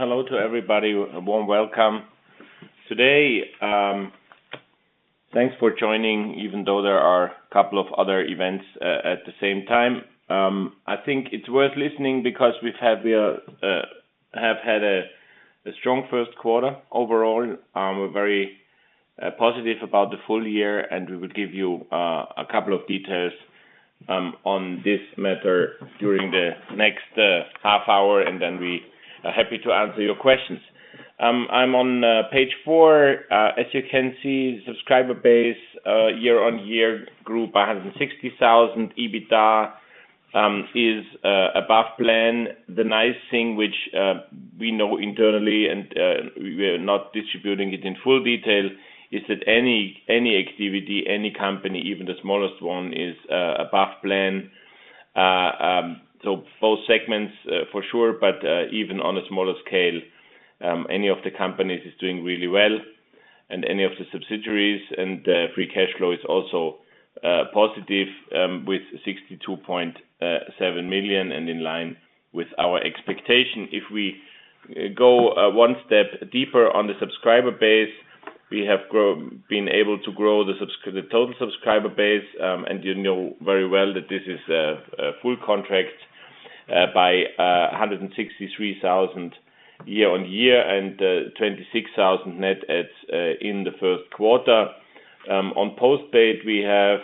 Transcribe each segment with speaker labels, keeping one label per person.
Speaker 1: Hello to everybody. A warm welcome. Today, thanks for joining even though there are a couple of other events at the same time. I think it's worth listening because we've had a strong first quarter overall. We're very positive about the full year, and we will give you a couple of details on this matter during the next half hour, and then we are happy to answer your questions. I'm on page four. As you can see, subscriber base year-on-year grew by 160,000. EBITDA is above plan. The nice thing which we know internally, and we're not distributing it in full detail, is that any activity, any company, even the smallest one, is above plan. Both segments, for sure, but even on a smaller scale, any of the companies is doing really well, and any of the subsidiaries. Free cash flow is also positive, with 62.7 million, and in line with our expectation. If we go one step deeper on the subscriber base, we have been able to grow the total subscriber base, and you know very well, by 163,000 year-on-year and 26,000 net adds in the first quarter. On postpaid, we have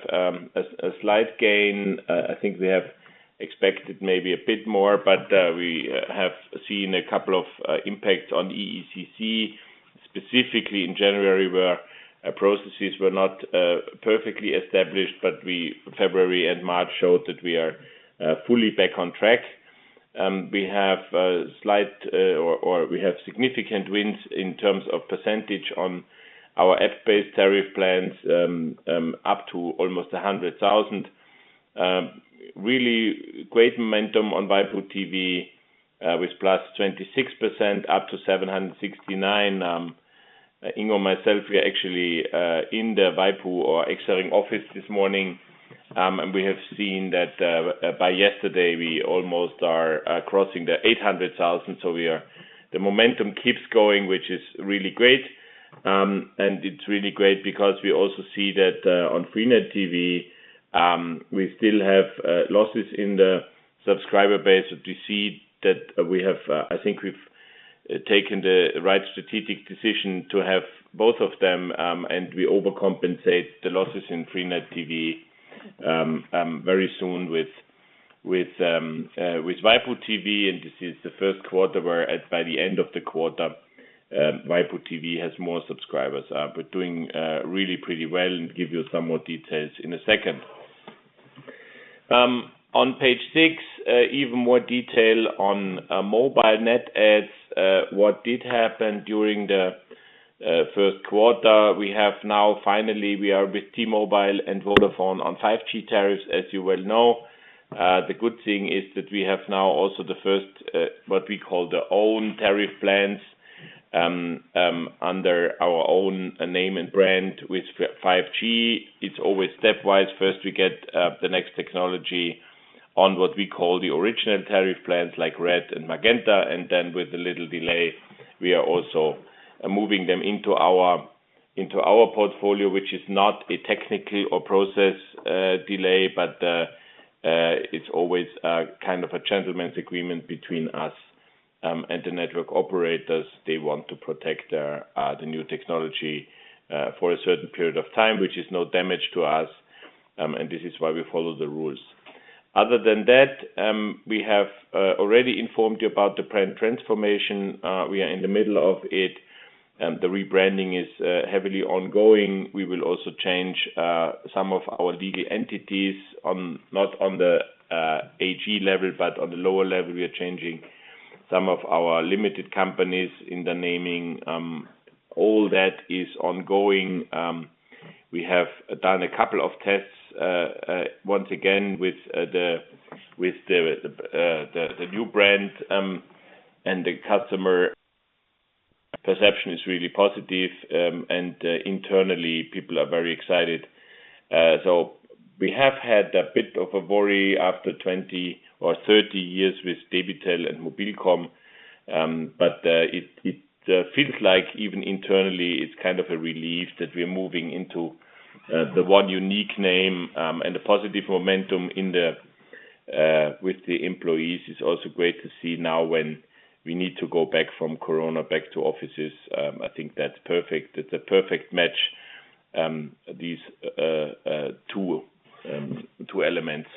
Speaker 1: a slight gain. I think we have expected maybe a bit more, but we have seen a couple of impacts on EECC, specifically in January, where processes were not perfectly established. February and March showed that we are fully back on track. We have significant wins in terms of percentage on our freenet-based tariff plans, up to almost 100,000. Really great momentum on waipu.tv, with +26% up to 769. Ingo and myself, we are actually in the waipu.tv or Exaring office this morning, and we have seen that, by yesterday, we almost are crossing the 800,000. The momentum keeps going, which is really great. It's really great because we also see that on freenet TV we still have losses in the subscriber base. We see that I think we've taken the right strategic decision to have both of them, and we overcompensate the losses in freenet TV very soon with waipu.tv. This is the first quarter where by the end of the quarter waipu.tv has more subscribers. But doing really pretty well, and give you some more details in a second. On page six, even more detail on mobile net adds. What happened during the first quarter, finally, we are with T-Mobile and Vodafone on 5G tariffs, as you well know. The good thing is that we have now also the first what we call the own tariff plans under our own name and brand with 5G. It's always stepwise. First, we get the next technology on what we call the original tariff plans like Red and Magenta. Then with a little delay, we are also moving them into our portfolio, which is not a technical or process delay. It's always kind of a gentleman's agreement between us and the network operators. They want to protect their new technology for a certain period of time, which is no damage to us, and this is why we follow the rules. Other than that, we have already informed you about the brand transformation. We are in the middle of it. The rebranding is heavily ongoing. We will also change some of our legal entities, not on the AG level, but on the lower level. We are changing some of our limited companies in the naming. All that is ongoing. We have done a couple of tests once again with the new brand. The customer perception is really positive. Internally, people are very excited. We have had a bit of a worry after 20 or 30 years with Debitel and mobilcom. It feels like even internally, it's kind of a relief that we're moving into the one unique name. The positive momentum with the employees is also great to see now when we need to go back from Corona back to offices. I think that's perfect. It's a perfect match, these two elements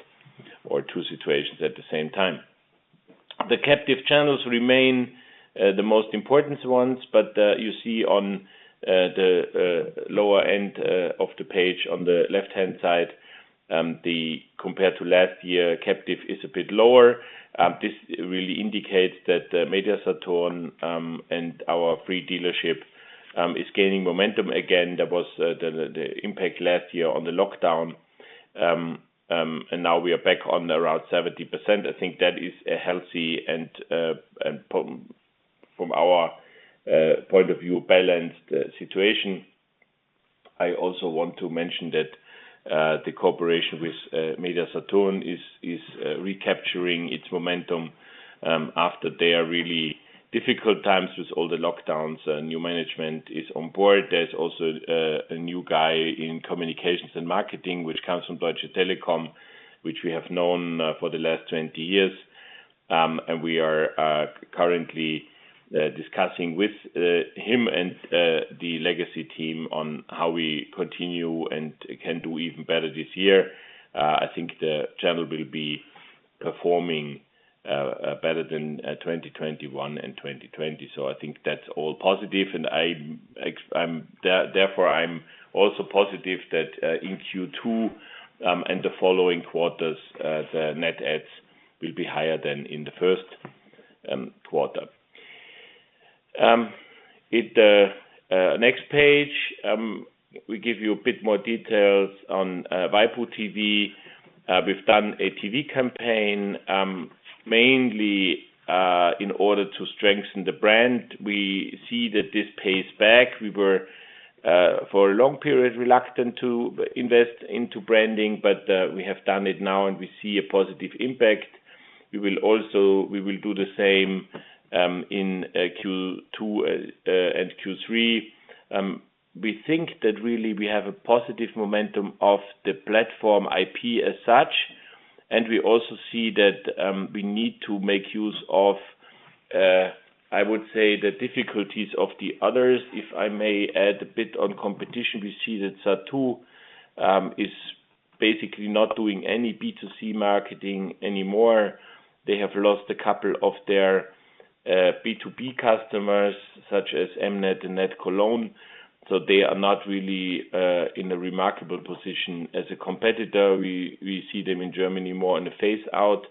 Speaker 1: or two situations at the same time. The captive channels remain the most important ones, but you see on the lower end of the page on the left-hand side compared to last year, captive is a bit lower. This really indicates that MediaMarktSaturn and our freenet dealership is gaining momentum again. There was the impact last year on the lockdown. Now we are back on around 70%. I think that is a healthy and from our point of view, balanced situation. I also want to mention that the cooperation with MediaMarktSaturn is recapturing its momentum after their really difficult times with all the lockdowns. New management is on board. There's also a new guy in communications and marketing, which comes from Deutsche Telekom, which we have known for the last 20 years. We are currently discussing with him and the legacy team on how we continue and can do even better this year. I think the channel will be performing better than 2021 and 2020. I think that's all positive, and therefore, I'm also positive that in Q2 and the following quarters the net adds will be higher than in the first quarter. Next page, we give you a bit more details on waipu.tv. We've done a TV campaign mainly in order to strengthen the brand. We see that this pays back. We were for a long period reluctant to invest into branding, but we have done it now, and we see a positive impact. We will also do the same in Q2 and Q3. We think that really we have a positive momentum of the platform IP as such, and we also see that we need to make use of, I would say, the difficulties of the others. If I may add a bit on competition. We see that Sat.1 is basically not doing any B2C marketing anymore. They have lost a couple of their B2B customers, such as M-net and NetCologne. They are not really in a remarkable position as a competitor. We see them in Germany more in a phase out.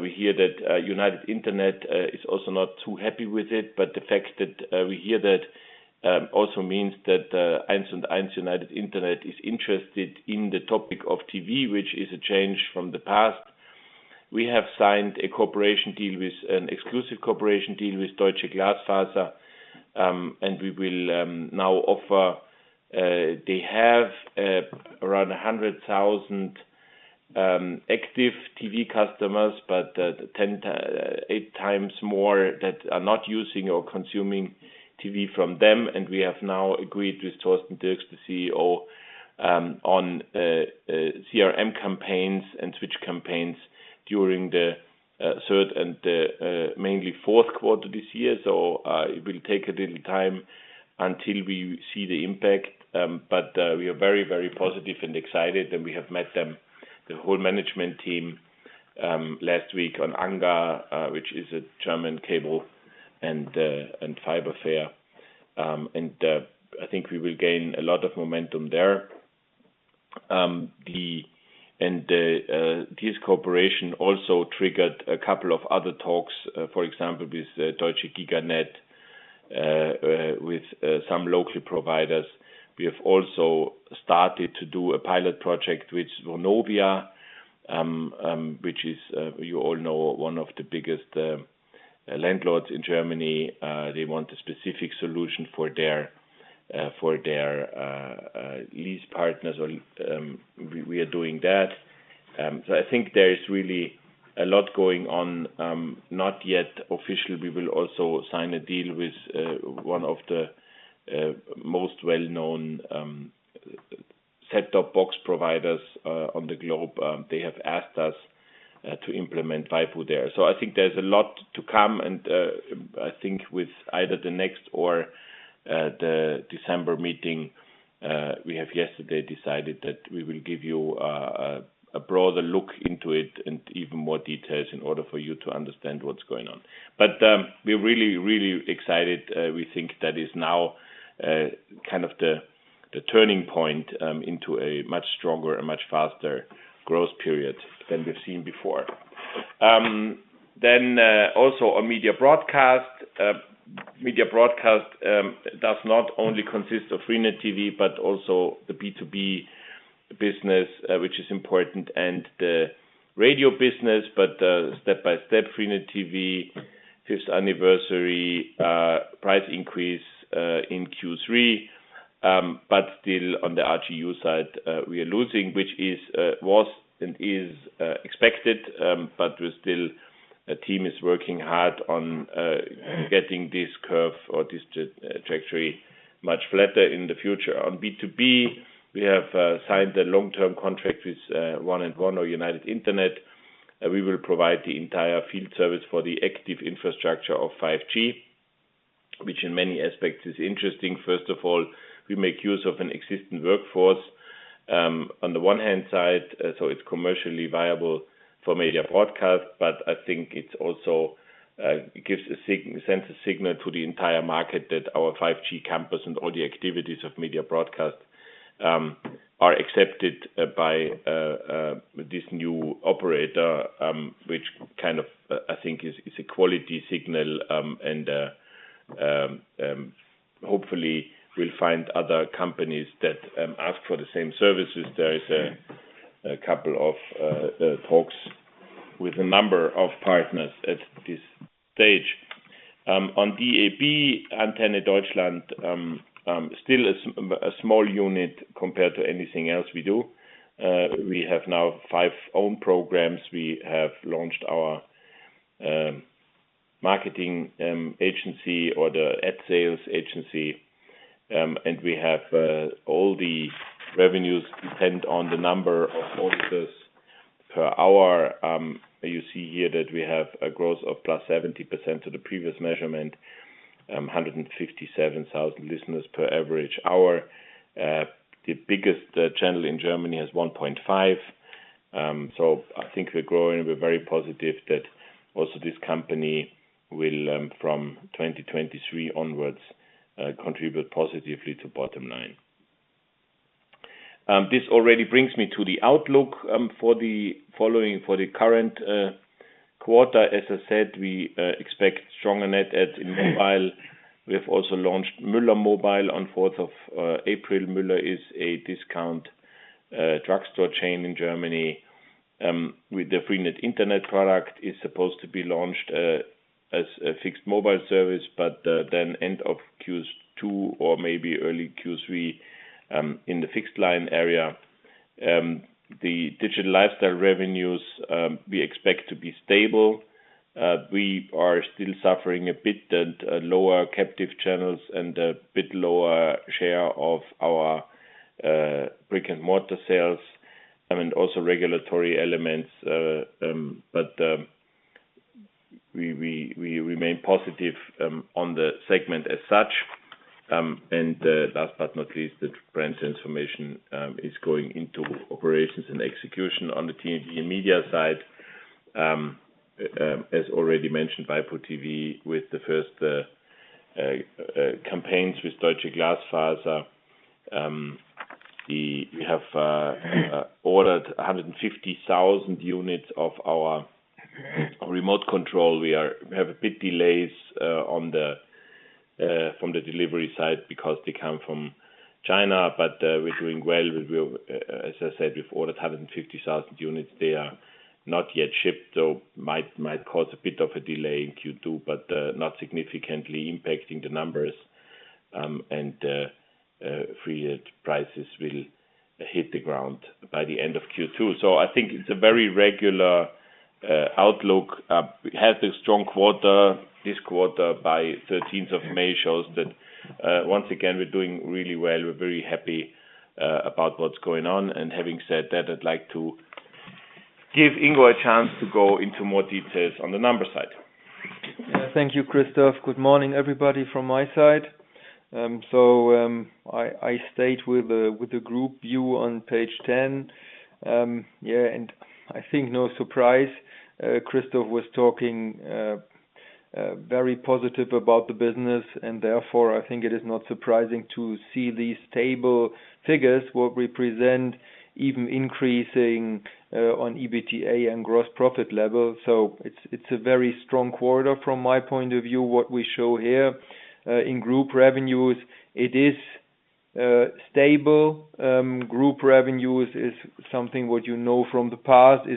Speaker 1: We hear that United Internet is also not too happy with it, but the fact that we hear that also means that 1&1 United Internet is interested in the topic of TV, which is a change from the past. We have signed an exclusive cooperation deal with Deutsche Glasfaser, and we will now offer. They have around 100,000 active TV customers, but 8x more that are not using or consuming TV from them. We have now agreed with Thorsten Dirks, the CEO, on CRM campaigns and switch campaigns during the third and mainly fourth quarter this year. It will take a little time until we see the impact. We are very, very positive and excited, and we have met them, the whole management team last week on ANGA, which is a German cable and fiber fair. I think we will gain a lot of momentum there. This cooperation also triggered a couple of other talks, for example, with Deutsche GigaNetz, with some local providers. We have also started to do a pilot project with Vonovia, which is, you all know, one of the biggest landlords in Germany. They want a specific solution for their lease partners or, we are doing that. I think there is really a lot going on, not yet official. We will also sign a deal with one of the most well-known set-top box providers on the globe. They have asked us to implement waipu.tv there. I think there's a lot to come, and I think with either the next or the December meeting, we have yesterday decided that we will give you a broader look into it and even more details in order for you to understand what's going on. We're really, really excited. We think that is now kind of the turning point into a much stronger and much faster growth period than we've seen before. Also on Media Broadcast. Media Broadcast does not only consist of freenet TV, but also the B2B business, which is important, and the radio business. Step by step, freenet TV, fifth anniversary, price increase in Q3. Still, on the RGU side, we are losing, which was and is expected. We're still our team is working hard on getting this curve or this trajectory much flatter in the future. On B2B, we have signed a long-term contract with 1&1 or United Internet. We will provide the entire field service for the active infrastructure of 5G, which in many aspects is interesting. First of all, we make use of an existing workforce on the one hand side, so it's commercially viable for Media Broadcast, but I think it also gives sends a signal to the entire market that our 5G campus and all the activities of Media Broadcast are accepted by this new operator, which kind of I think is a quality signal. Hopefully we'll find other companies that ask for the same services. There is a couple of talks with a number of partners at this stage. On Antenne Deutschland, still a small unit compared to anything else we do. We have now five own programs. We have launched our marketing agency or the ad sales agency. We have all the revenues depend on the number of listeners per hour. You see here that we have a growth of +70% to the previous measurement, 157,000 listeners per average hour. The biggest channel in Germany has 1.5. I think we're growing. We're very positive that also this company will, from 2023 onwards, contribute positively to bottom line. This already brings me to the outlook for the current quarter. As I said, we expect stronger net adds in mobile. We have also launched Müller Mobile on fourth of April. Müller is a discount drugstore chain in Germany with the freenet internet product. It's supposed to be launched as a fixed mobile service, but then end of Q2 or maybe early Q3 in the fixed line area. The digital lifestyle revenues we expect to be stable. We are still suffering a bit at lower captive channels and a bit lower share of our brick-and-mortar sales and also regulatory elements. We remain positive on the segment as such. Last but not least, the brands transformation is going into operations and execution on the TV and Media side. As already mentioned, waipu.tv with the first campaigns with Deutsche Glasfaser. We have ordered 150,000 units of our remote control. We have a bit of delays on the delivery side because they come from China, but we're doing well. As I said, we've ordered 150,000 units. They are not yet shipped, so might cause a bit of a delay in Q2, but not significantly impacting the numbers. freenet prices will hit the ground by the end of Q2. I think it's a very regular outlook. We had a strong quarter this quarter by 13th of May, shows that once again, we're doing really well. We're very happy about what's going on. Having said that, I'd like to give Ingo a chance to go into more details on the numbers side.
Speaker 2: Yeah. Thank you, Christoph. Good morning, everybody, from my side. I stayed with the group view on page 10. I think no surprise, Christoph was talking very positive about the business, and therefore, I think it is not surprising to see these stable figures will represent even increasing on EBITDA and gross profit level. It's a very strong quarter from my point of view, what we show here in group revenues. It is stable. Group revenues is something what you know from the past.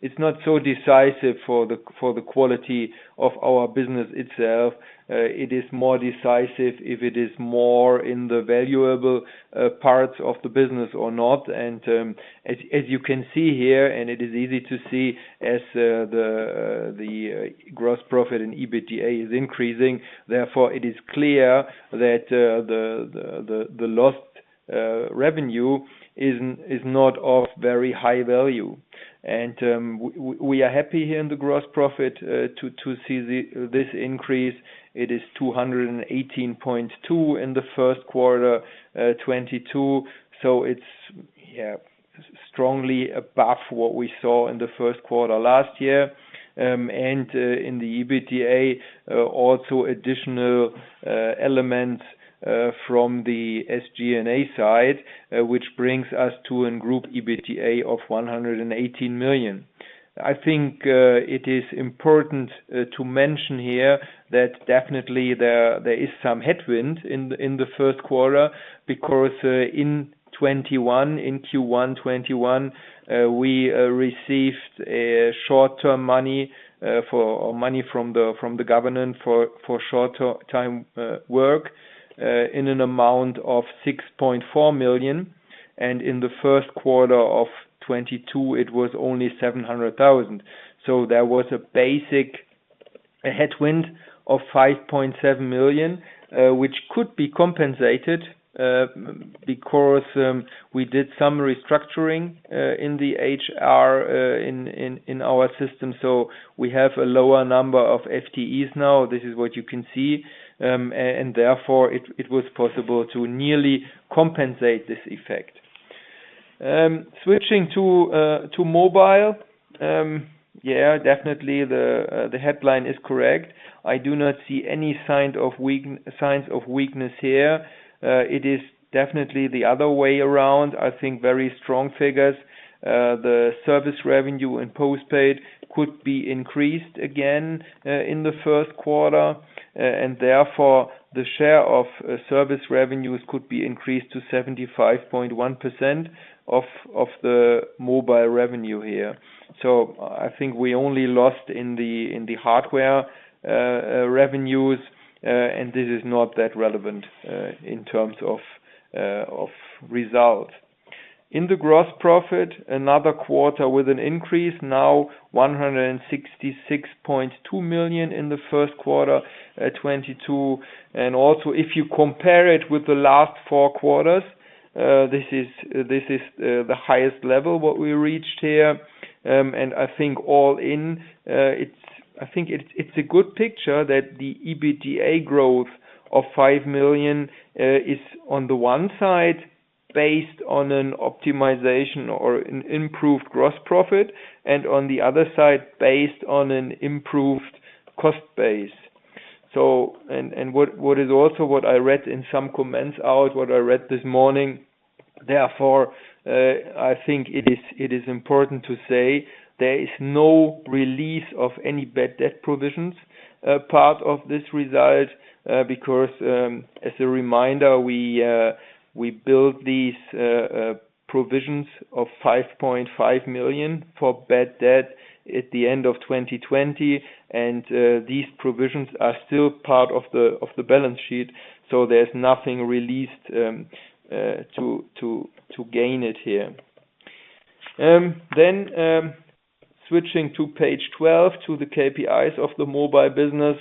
Speaker 2: It's not so decisive for the quality of our business itself. It is more decisive if it is more in the valuable parts of the business or not. As you can see here, it is easy to see the gross profit in EBITDA is increasing. Therefore, it is clear that the lost revenue is not of very high value. We are happy here in the gross profit to see this increase. It is 218.2 in the first quarter 2022. It's strongly above what we saw in the first quarter last year. In the EBITDA, also additional element from the SG&A side, which brings us to a group EBITDA of 118 million. I think it is important to mention here that definitely there is some headwind in the first quarter because in 2021, in Q1 2021, we received short-term money or money from the government for short-term work in an amount of 6.4 million. In the first quarter of 2022, it was only 700,000. There was a basic headwind of 5.7 million which could be compensated because we did some restructuring in the HR in our system. We have a lower number of FTEs now. This is what you can see. Therefore, it was possible to nearly compensate this effect. Switching to mobile. Yeah, definitely the headline is correct. I do not see any sign of weakness here. It is definitely the other way around. I think very strong figures. The service revenue and postpaid could be increased again in the first quarter. Therefore, the share of service revenues could be increased to 75.1% of the mobile revenue here. I think we only lost in the hardware revenues, and this is not that relevant in terms of result. In the gross profit, another quarter with an increase, now 166.2 million in the first quarter 2022. Also, if you compare it with the last four quarters, this is the highest level what we reached here. I think all in, it's a good picture that the EBITDA growth of 5 million is on the one side based on an optimization or an improved gross profit, and on the other side, based on an improved cost base. What I also read in some comments about what I read this morning, therefore, I think it is important to say there is no release of any bad debt provisions part of this result, because, as a reminder, we built these provisions of 5.5 million for bad debt at the end of 2020, and these provisions are still part of the balance sheet, so there's nothing released to gain it here. Switching to page 12 to the KPIs of the mobile business.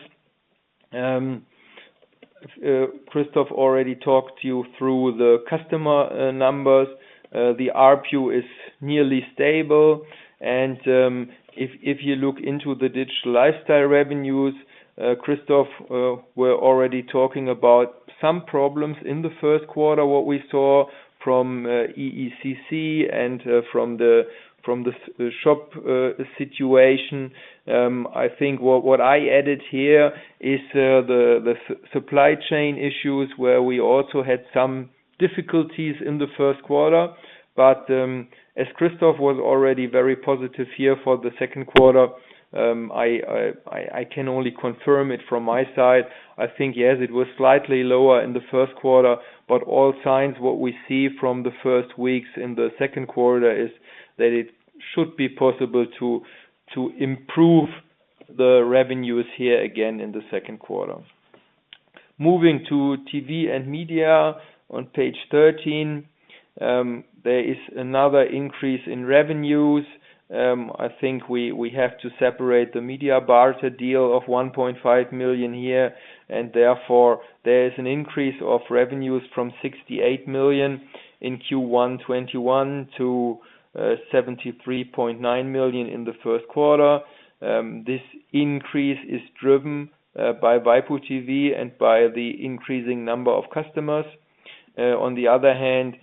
Speaker 2: Christoph already talked you through the customer numbers. The ARPU is nearly stable. If you look into the digital lifestyle revenues, Christoph, we're already talking about some problems in the first quarter, what we saw from EECC and from the s-shop situation. I think what I added here is the supply chain issues where we also had some difficulties in the first quarter. As Christoph was already very positive here for the second quarter, I can only confirm it from my side. I think, yes, it was slightly lower in the first quarter, but all signs that we see from the first weeks in the second quarter is that it should be possible to improve the revenues here again in the second quarter. Moving to TV and Media on page 13, there is another increase in revenues. I think we have to separate the media barter deal of 1.5 million here, and therefore there is an increase of revenues from 68 million in Q1 2021 to 73.9 million in the first quarter. This increase is driven by waipu.tv and by the increasing number of customers. On the other hand,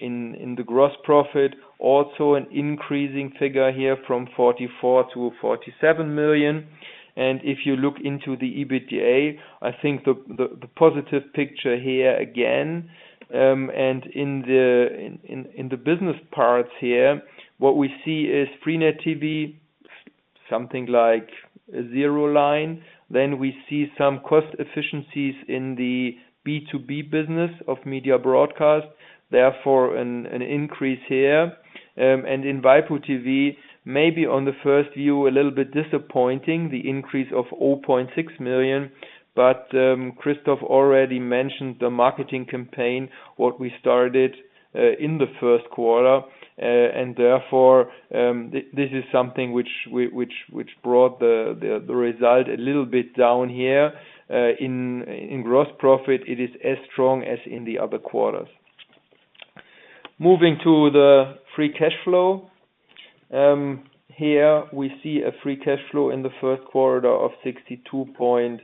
Speaker 2: in the gross profit, also an increasing figure here from 44 million to 47 million. If you look into the EBITDA, I think the positive picture here again in the business parts here, what we see is freenet TV, something like zero line. Then we see some cost efficiencies in the B2B business of Media Broadcast. Therefore, an increase here. In waipu.tv, maybe on the first view, a little bit disappointing, the increase of 0.6 million. Christoph already mentioned the marketing campaign, what we started in the first quarter. Therefore, this is something which we brought the result a little bit down here. In gross profit, it is as strong as in the other quarters. Moving to the free cash flow. Here we see a free cash flow in the first quarter of 62.7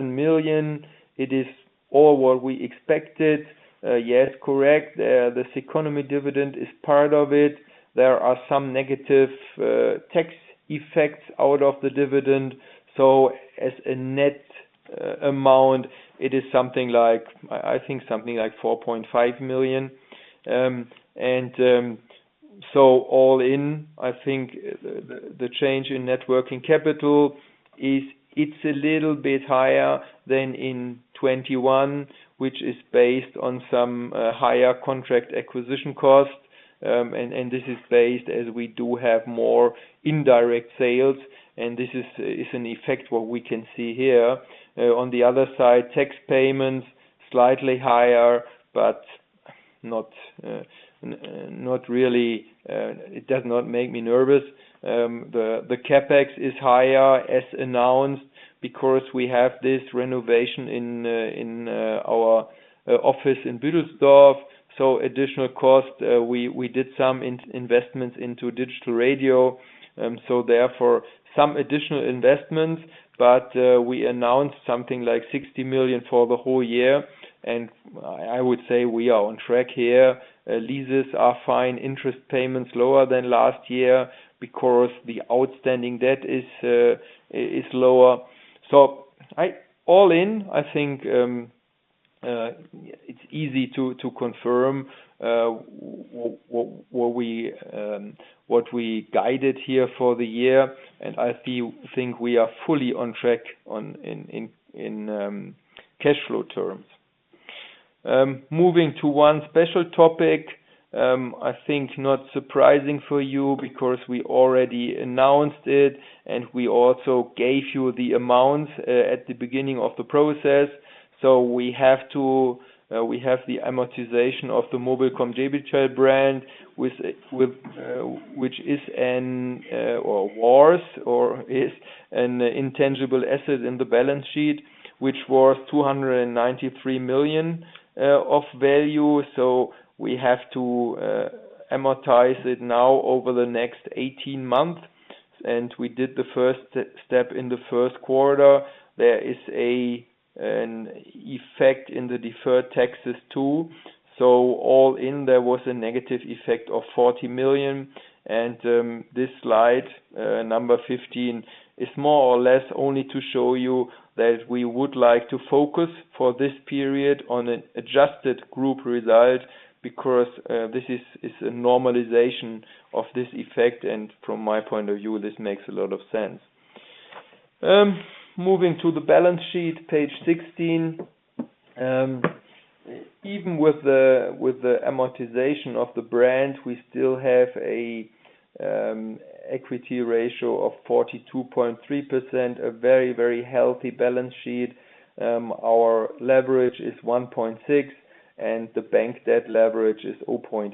Speaker 2: million. It is all what we expected. Yes, correct. This equity dividend is part of it. There are some negative tax effects out of the dividend. As a net amount, it is something like I think 4.5 million. All in, I think the change in net working capital is a little bit higher than in 2021, which is based on some higher contract acquisition costs. This is based as we do have more indirect sales, and this is an effect what we can see here. On the other side, tax payments slightly higher, but not really, it does not make me nervous. The CapEx is higher as announced because we have this renovation in our office in Büdelsdorf, so additional cost. We did some investments into digital radio, so therefore some additional investments. We announced something like 60 million for the whole year, and I would say we are on track here. Leases are fine, interest payments lower than last year because the outstanding debt is lower. All in, I think it's easy to confirm what we guided here for the year, and I think we are fully on track in cash flow terms. Moving to one special topic, I think not surprising for you because we already announced it, and we also gave you the amount at the beginning of the process. We have the amortization of the mobilcom-debitel brand with which is an or was or is an intangible asset in the balance sheet, which worth 293 million of value. We have to amortize it now over the next 18 months, and we did the first step in the first quarter. There is an effect in the deferred taxes too. All in, there was a negative effect of 40 million. This slide number 15 is more or less only to show you that we would like to focus for this period on an adjusted group result because this is a normalization of this effect. From my point of view, this makes a lot of sense. Moving to the balance sheet, page 16. Even with the amortization of the brand, we still have an equity ratio of 42.3%, a very, very healthy balance sheet. Our leverage is 1.6, and the bank debt leverage is 0.8.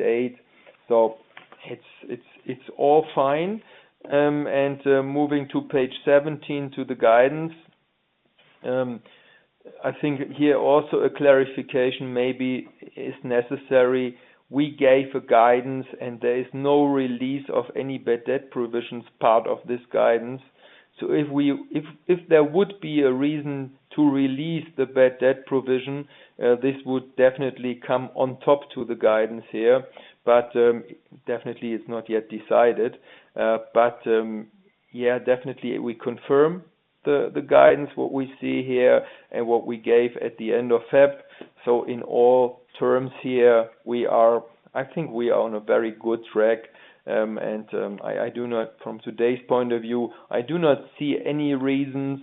Speaker 2: It's all fine. Moving to page 17 to the guidance. I think here also a clarification maybe is necessary. We gave a guidance, and there is no release of any bad debt provisions part of this guidance. If there would be a reason to release the bad debt provision, this would definitely come on top to the guidance here. Definitely, it's not yet decided. We confirm the guidance what we see here and what we gave at the end of February. In all terms here, I think we are on a very good track. From today's point of view, I do not see any reasons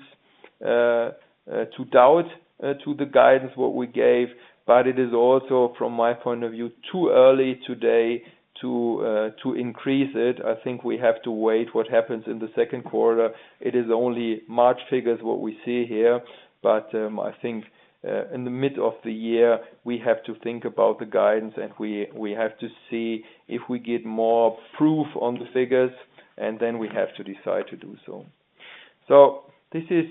Speaker 2: to doubt the guidance what we gave, but it is also, from my point of view, too early today to increase it. I think we have to wait what happens in the second quarter. It is only March figures what we see here. I think in the mid of the year, we have to think about the guidance, and we have to see if we get more proof on the figures, and then we have to decide to do so. This is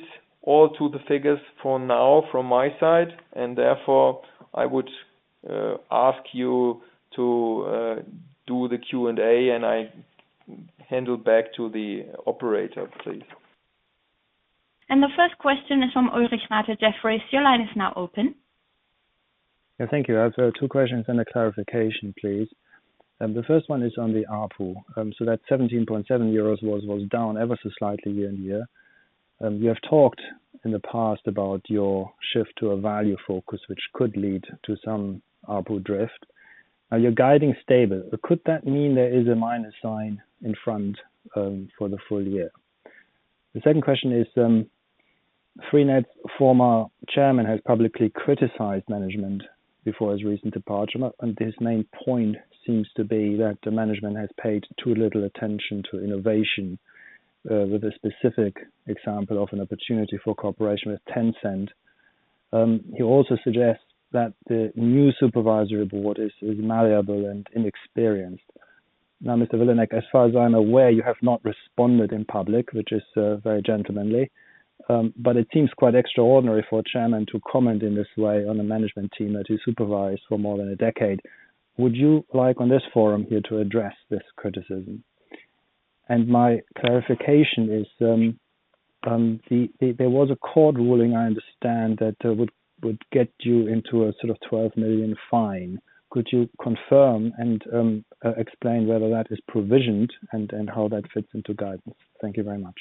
Speaker 2: all to the figures for now from my side, and therefore, I would ask you to do the Q&A, and I hand back to the operator, please.
Speaker 3: The first question is from Ulrich Rathe, Jefferies. Your line is now open.
Speaker 4: Yeah, thank you. I have two questions and a clarification, please. The first one is on the ARPU. So that 17.7 euros was down ever so slightly year-on-year. You have talked in the past about your shift to a value focus, which could lead to some ARPU drift. Now you're guiding stable. Could that mean there is a minus sign in front for the full year? The second question is, freenet's former chairman has publicly criticized management before his recent departure, and his main point seems to be that the management has paid too little attention to innovation with a specific example of an opportunity for cooperation with Tencent. He also suggests that the new supervisory board is malleable and inexperienced. Now, Mr. Vilanek, as far as I'm aware, you have not responded in public, which is very gentlemanly. It seems quite extraordinary for a chairman to comment in this way on a management team that he supervised for more than a decade. Would you like on this forum here to address this criticism? My clarification is, there was a court ruling, I understand, that would get you into a sort of 12 million fine. Could you confirm and explain whether that is provisioned and how that fits into guidance? Thank you very much.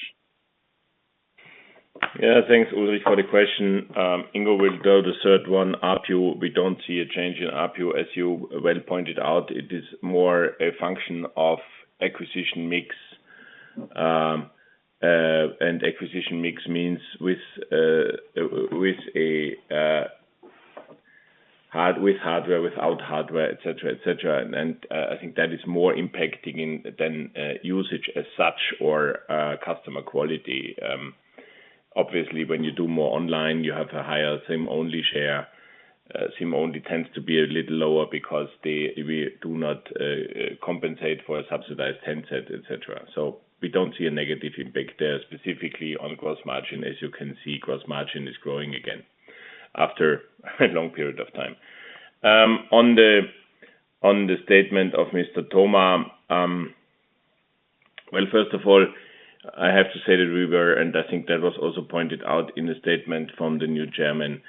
Speaker 1: Yeah. Thanks, Ulrich, for the question. Ingo will go the third one. ARPU, we don't see a change in ARPU. As you well pointed out, it is more a function of acquisition mix. Acquisition mix means with hardware, without hardware, et cetera, et cetera. I think that is more impacting than usage as such or customer quality. Obviously, when you do more online, you have a higher SIM-only share. SIM-only tends to be a little lower because we do not compensate for a subsidized Tencent, et cetera. We don't see a negative impact there, specifically on gross margin. As you can see, gross margin is growing again after a long period of time. On the statement of Mr. Thoma. Well, first of all, I have to say that we were, and I think that was also pointed out in a statement from the new chairman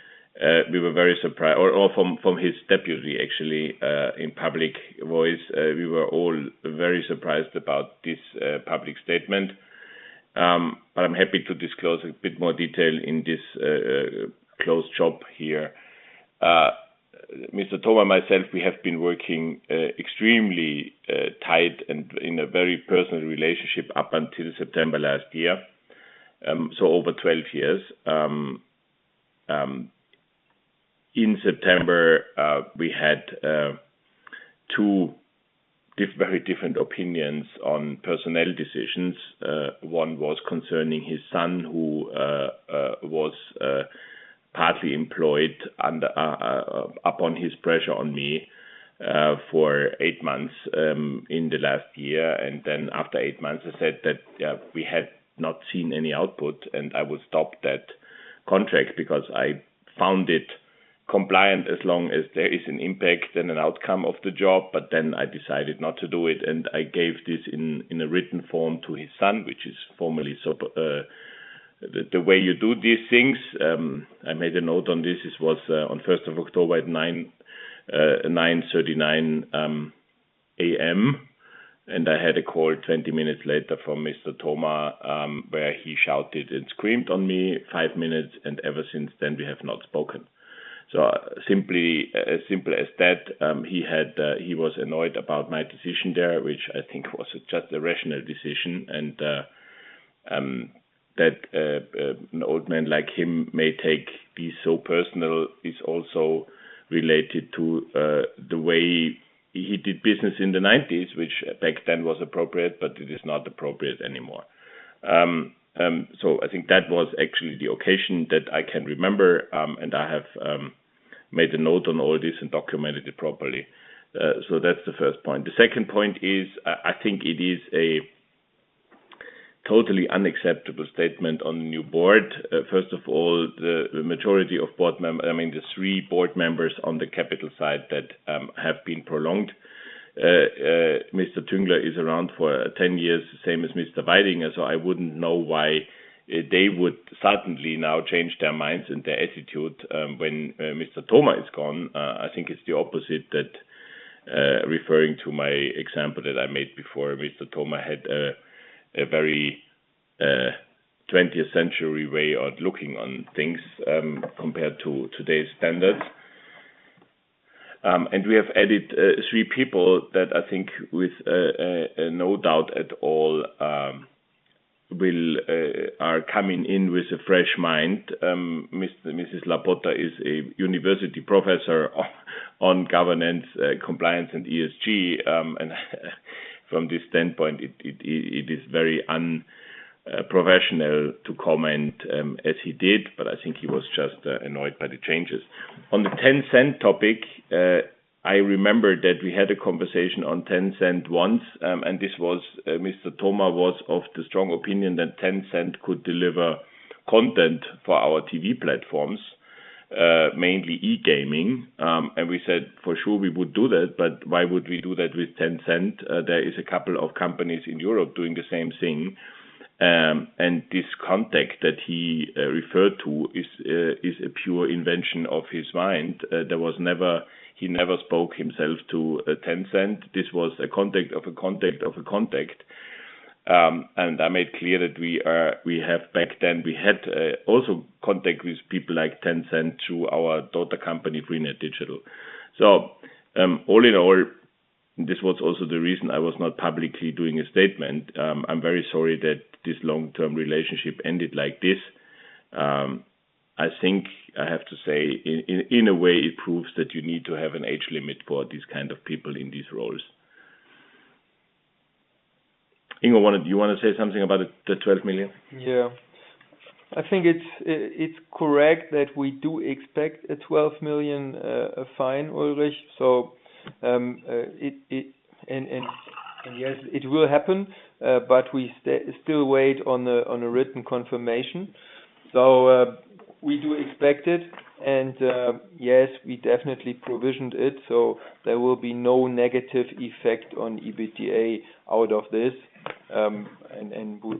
Speaker 1: or from his deputy, actually, in public voice. We were all very surprised about this public statement. I'm happy to disclose a bit more detail in this closed shop here. Mr. Thoma and myself, we have been working extremely tight and in a very personal relationship up until September last year, so over 12 years. In September, we had very different opinions on personnel decisions. One was concerning his son who was partly employed upon his pressure on me for eight months in the last year. Then after eight months, I said that we had not seen any output, and I would stop that contract because I found it compliant as long as there is an impact and an outcome of the job. I decided not to do it, and I gave this in a written form to his son, which is the formal sort of the way you do these things. I made a note on this. This was on first of October at 9:39 A.M., and I had a call 20 minutes later from Mr. Thoma, where he shouted and screamed on me five minutes, and ever since then we have not spoken. As simple as that, he was annoyed about my decision there, which I think was just a rational decision. That an old man like him may take this so personal is also related to the way he did business in the nineties, which back then was appropriate, but it is not appropriate anymore. I think that was actually the occasion that I can remember, and I have made a note on all this and documented it properly. That's the first point. The second point is I think it is a totally unacceptable statement on new board. First of all, I mean, the three board members on the capital side that have been prolonged. Mr. Tüngler is around for 10 years, same as Mr. Weidinger. I wouldn't know why they would suddenly now change their minds and their attitude when Mr. Thoma is gone. I think it's the opposite, referring to my example that I made before, Mr. Thoma had a very 20th century way of looking on things compared to today's standards. We have added three people that I think with no doubt at all are coming in with a fresh mind. Mrs. Lopatta is a university professor on governance, compliance and ESG. From this standpoint, it is very unprofessional to comment as he did, but I think he was just annoyed by the changes. On the Tencent topic, I remember that we had a conversation on Tencent once, and this was Mr. Thoma was of the strong opinion that Tencent could deliver content for our TV platforms, mainly e-gaming. We said, for sure we would do that, but why would we do that with Tencent. There is a couple of companies in Europe doing the same thing. This contact that he referred to is a pure invention of his mind. He never spoke himself to Tencent. This was a contact of a contact of a contact. I made clear that we had back then also contact with people like Tencent through our daughter company, freenet digital. All in all, this was also the reason I was not publicly doing a statement. I'm very sorry that this long-term relationship ended like this. I think I have to say in a way, it proves that you need to have an age limit for these kind of people in these roles. Ingo, do you wanna say something about the 12 million?
Speaker 2: Yeah. I think it's correct that we do expect a 12 million fine, Ulrich. It will happen. But we still wait on a written confirmation. We do expect it, and yes, we definitely provisioned it. There will be no negative effect on EBITDA out of this.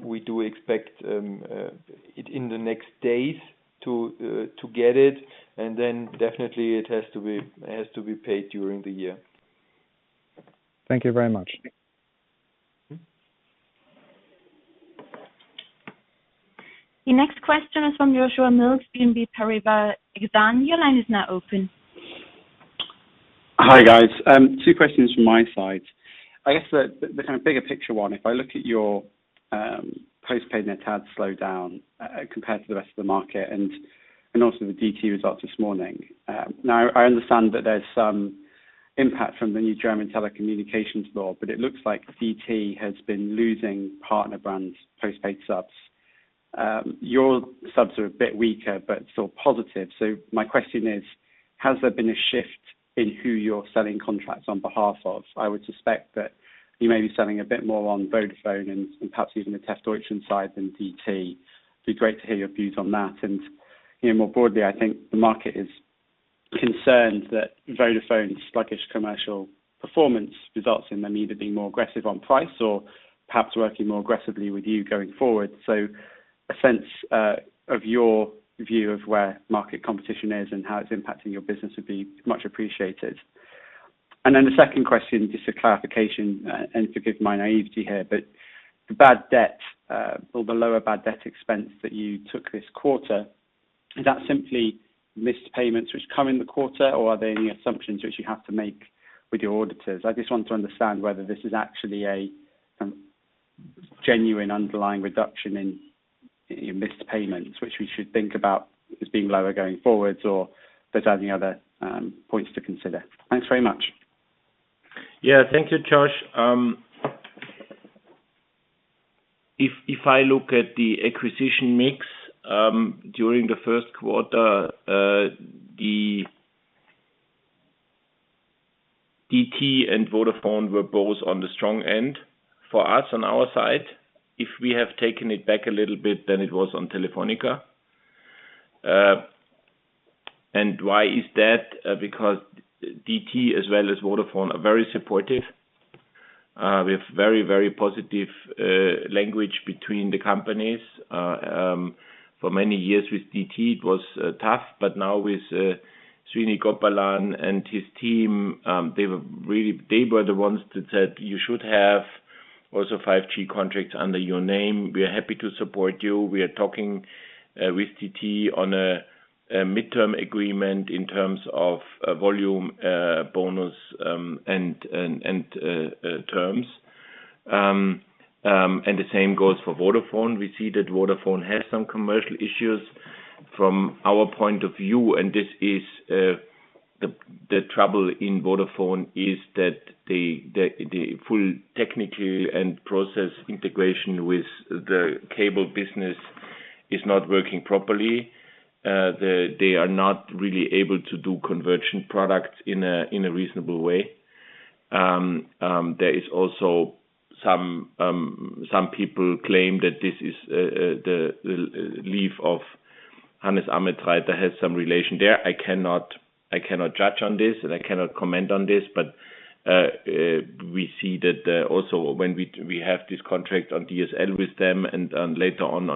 Speaker 2: We do expect it in the next days to get it. Then definitely it has to be paid during the year.
Speaker 4: Thank you very much.
Speaker 2: Mm-hmm.
Speaker 3: The next question is from Joshua Mills, BNP Paribas Exane. Your line is now open.
Speaker 5: Hi, guys. Two questions from my side. I guess the kind of bigger picture one, if I look at your postpaid net adds slowdown compared to the rest of the market and also the DT results this morning. Now, I understand that there's some impact from the new German telecommunications law, but it looks like DT has been losing partner brands, postpaid subs. Your subs are a bit weaker but still positive. My question is, has there been a shift in who you're selling contracts on behalf of? I would suspect that you may be selling a bit more on Vodafone and perhaps even the Telefónica side than DT. It'd be great to hear your views on that. You know, more broadly, I think the market is concerned that Vodafone's sluggish commercial performance results in them either being more aggressive on price or perhaps working more aggressively with you going forward. A sense of your view of where market competition is and how it's impacting your business would be much appreciated. The second question, just a clarification, and forgive my naivety here, but the bad debt or the lower bad debt expense that you took this quarter, is that simply missed payments which come in the quarter or are there any assumptions which you have to make with your auditors? I just want to understand whether this is actually a genuine underlying reduction in missed payments, which we should think about as being lower going forwards, or there's any other points to consider. Thanks very much.
Speaker 1: Yeah. Thank you, Josh. If I look at the acquisition mix during the first quarter, the DT and Vodafone were both on the strong end. For us on our side, if we have taken it back a little bit than it was on Telefónica. Why is that? Because DT as well as Vodafone are very supportive. We have very, very positive language between the companies. For many years with DT, it was tough, but now with Srini Gopalan and his team, they were the ones that said, "You should have also 5G contracts under your name. We are happy to support you." We are talking with DT on a midterm agreement in terms of a volume bonus, and terms. The same goes for Vodafone. We see that Vodafone has some commercial issues from our point of view. This is the trouble in Vodafone is that the full technical and process integration with the cable business is not working properly. They are not really able to do conversion products in a reasonable way. There is also some people claim that this is the leave of Hannes Ametsreiter has some relation there. I cannot judge on this, and I cannot comment on this, but we see that also when we have this contract on DSL with them and later on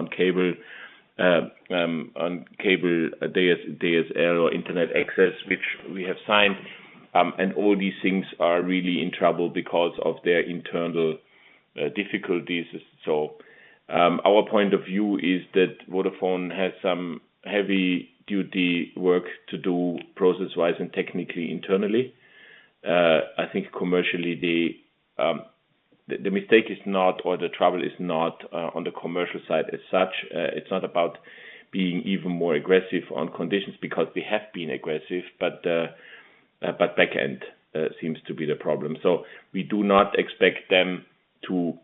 Speaker 1: cable DSL or internet access, which we have signed, and all these things are really in trouble because of their internal difficulties. Our point of view is that Vodafone has some heavy-duty work to do process-wise and technically internally. I think commercially, the mistake is not or the trouble is not on the commercial side as such. It's not about being even more aggressive on conditions because we have been aggressive, but backend seems to be the problem. We do not expect them to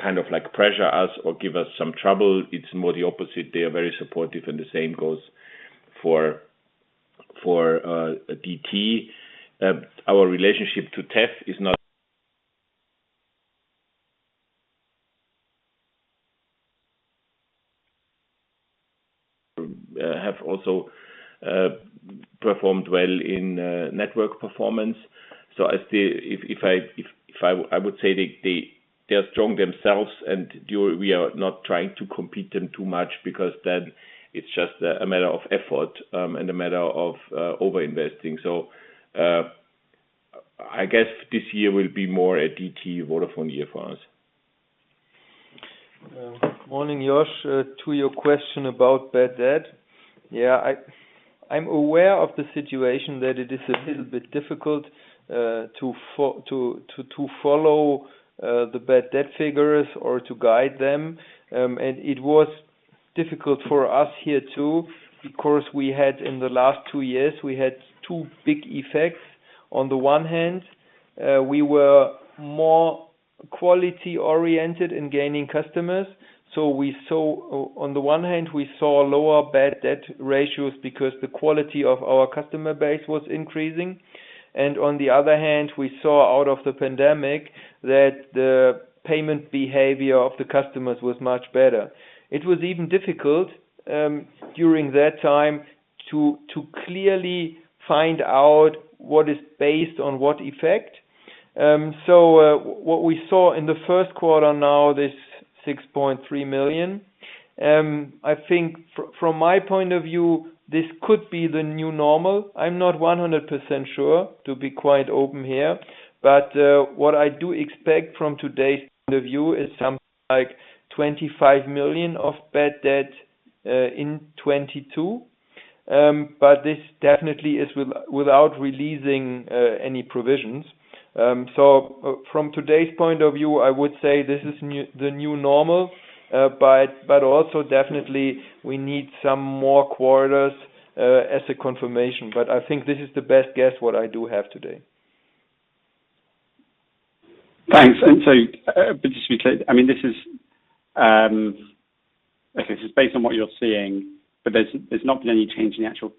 Speaker 1: kind of like pressure us or give us some trouble. It's more the opposite. They are very supportive, and the same goes for DT. Our relationship to TEF has also performed well in network performance. I would say they are strong themselves and we are not trying to compete with them too much because then it's just a matter of effort, and a matter of over-investing. I guess this year will be more a DT Vodafone year for us.
Speaker 2: Morning, Josh. To your question about bad debt. Yeah, I'm aware of the situation that it is a little bit difficult to follow the bad debt figures or to guide them. It was difficult for us here too, because we had in the last two years two big effects. On the one hand, we were more quality-oriented in gaining customers. We saw lower bad debt ratios because the quality of our customer base was increasing. On the other hand, we saw out of the pandemic that the payment behavior of the customers was much better. It was even difficult during that time to clearly find out what is based on what effect. What we saw in the first quarter now, this 6.3 million, I think from my point of view, this could be the new normal. I'm not 100% sure, to be quite open here. What I do expect from today's point of view is something like 25 million of bad debt in 2022. From today's point of view, I would say this is the new normal. But also definitely we need some more quarters as a confirmation. I think this is the best guess what I do have today.
Speaker 5: Thanks. Just to be clear, I mean, it's based on what you're seeing, but there's not been any change in the actual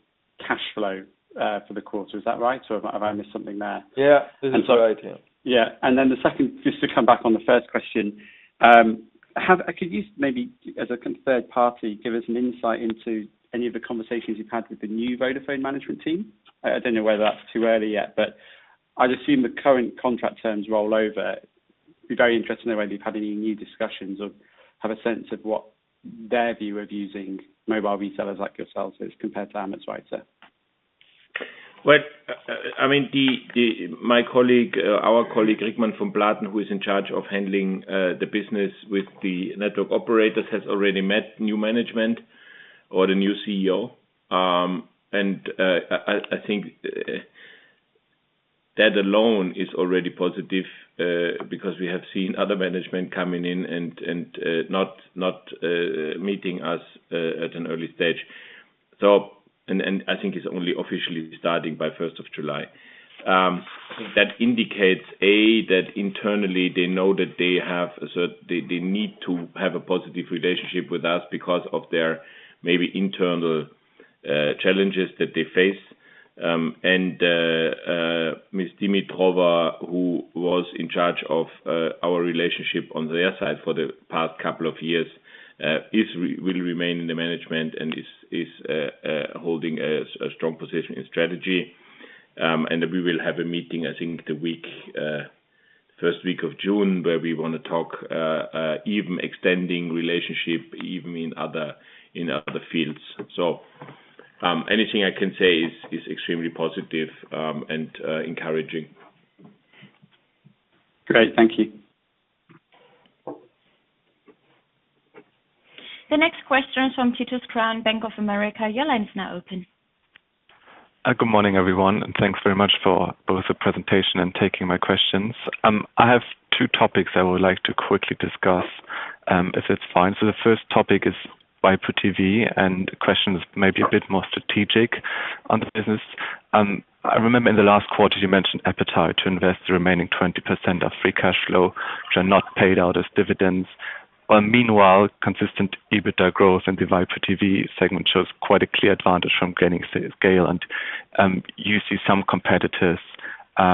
Speaker 5: cash flow for the quarter. Is that right? Or have I missed something there?
Speaker 2: Yeah.
Speaker 5: I'm sorry.
Speaker 2: This is right, yeah.
Speaker 5: Yeah. The second, just to come back on the first question. Could you maybe, as a third party, give us an insight into any of the conversations you've had with the new Vodafone management team? I don't know whether that's too early yet, but I'd assume the current contract terms roll over. I'd be very interested in whether you've had any new discussions or have a sense of what their view of using mobile resellers like yourselves is compared to Ametsreiter.
Speaker 1: I mean, our colleague, Rickmann von Platen, who is in charge of handling the business with the network operators, has already met new management or the new CEO. I think that alone is already positive because we have seen other management coming in and not meeting us at an early stage. I think it's only officially starting by first of July. That indicates, A, that internally they know that they have a they need to have a positive relationship with us because of their maybe internal challenges that they face. Anna Dimitrova, who was in charge of our relationship on their side for the past couple of years, will remain in the management and is holding a strong position in strategy. We will have a meeting, I think, the first week of June, where we wanna talk even extending relationship, even in other fields. Anything I can say is extremely positive and encouraging.
Speaker 5: Great. Thank you.
Speaker 3: The next question is from Titus Krahn, Bank of America. Your line is now open.
Speaker 6: Good morning, everyone, and thanks very much for both the presentation and taking my questions. I have two topics I would like to quickly discuss, if it's fine. The first topic is waipu.tv, and the question is maybe a bit more strategic on the business. I remember in the last quarter you mentioned appetite to invest the remaining 20% of free cash flow, which are not paid out as dividends. Meanwhile, consistent EBITDA growth in the waipu.tv segment shows quite a clear advantage from gaining scale, and you see some competitors,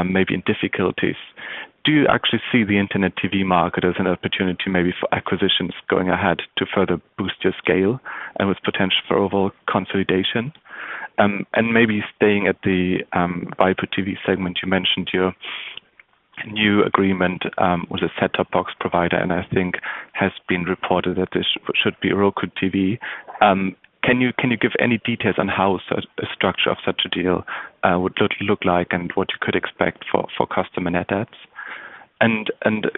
Speaker 6: maybe in difficulties. Do you actually see the internet TV market as an opportunity maybe for acquisitions going ahead to further boost your scale and with potential for overall consolidation? Maybe staying at the waipu.tv segment, you mentioned your new agreement with a set-top box provider, and I think has been reported that this should be Roku TV. Can you give any details on how such a structure of such a deal would look like and what you could expect for customer net adds?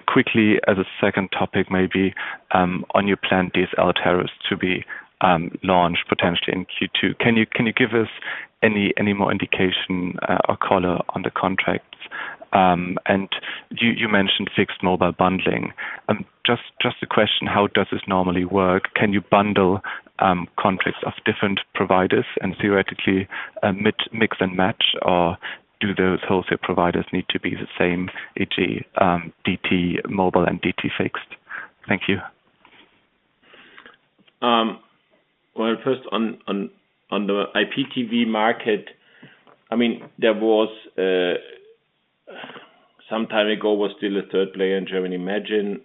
Speaker 6: Quickly as a second topic maybe on your planned DSL tariffs to be launched potentially in Q2. Can you give us any more indication or color on the contracts? You mentioned fixed mobile bundling. Just a question, how does this normally work? Can you bundle contracts of different providers and theoretically mix and match, or do those wholesale providers need to be the same, e.g., DT mobile and DT fixed? Thank you.
Speaker 1: Well, first on the IPTV market, I mean, there was some time ago still a third player in Germany, Imagine.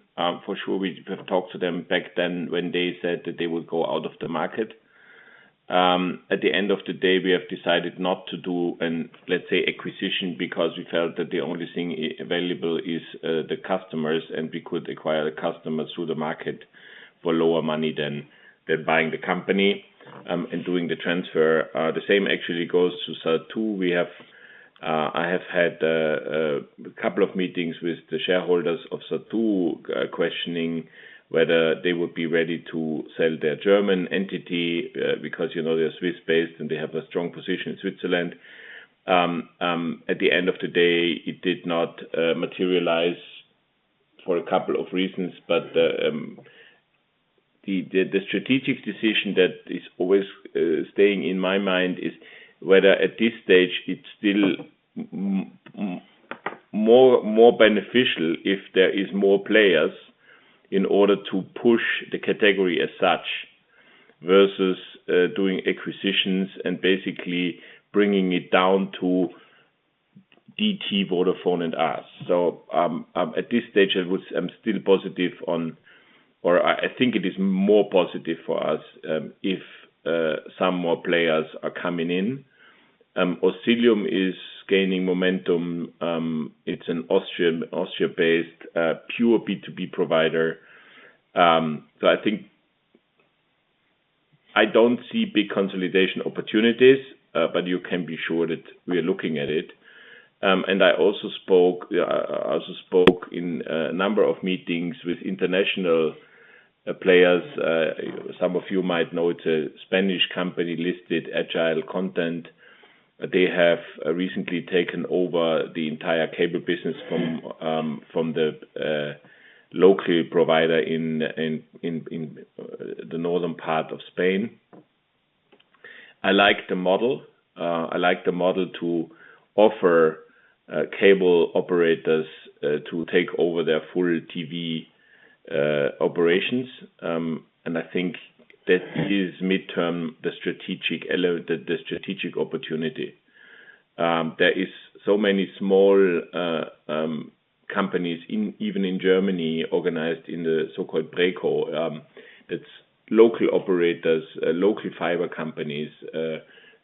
Speaker 1: For sure we have talked to them back then when they said that they would go out of the market. At the end of the day, we have decided not to do an, let's say, acquisition because we felt that the only thing available is the customers, and we could acquire the customers through the market for lower money than buying the company, and doing the transfer. The same actually goes to Zattoo. I have had a couple of meetings with the shareholders of Zattoo, questioning whether they would be ready to sell their German entity, because, you know, they're Swiss-based and they have a strong position in Switzerland. At the end of the day, it did not materialize for a couple of reasons. The strategic decision that is always staying in my mind is whether at this stage it's still more beneficial if there is more players in order to push the category as such versus doing acquisitions and basically bringing it down to DT, Vodafone and us. At this stage, I'm still positive on or I think it is more positive for us if some more players are coming in. Osillium is gaining momentum. It's an Austria-based pure B2B provider. So I think I don't see big consolidation opportunities, but you can be sure that we are looking at it. I also spoke in a number of meetings with international players. Some of you might know it's a Spanish company listed, Agile Content. They have recently taken over the entire cable business from the local provider in the northern part of Spain. I like the model. I like the model to offer cable operators to take over their full TV operations. I think that is midterm the strategic opportunity. There is so many small companies even in Germany, organized in the so-called Breko. It's local operators, local fiber companies,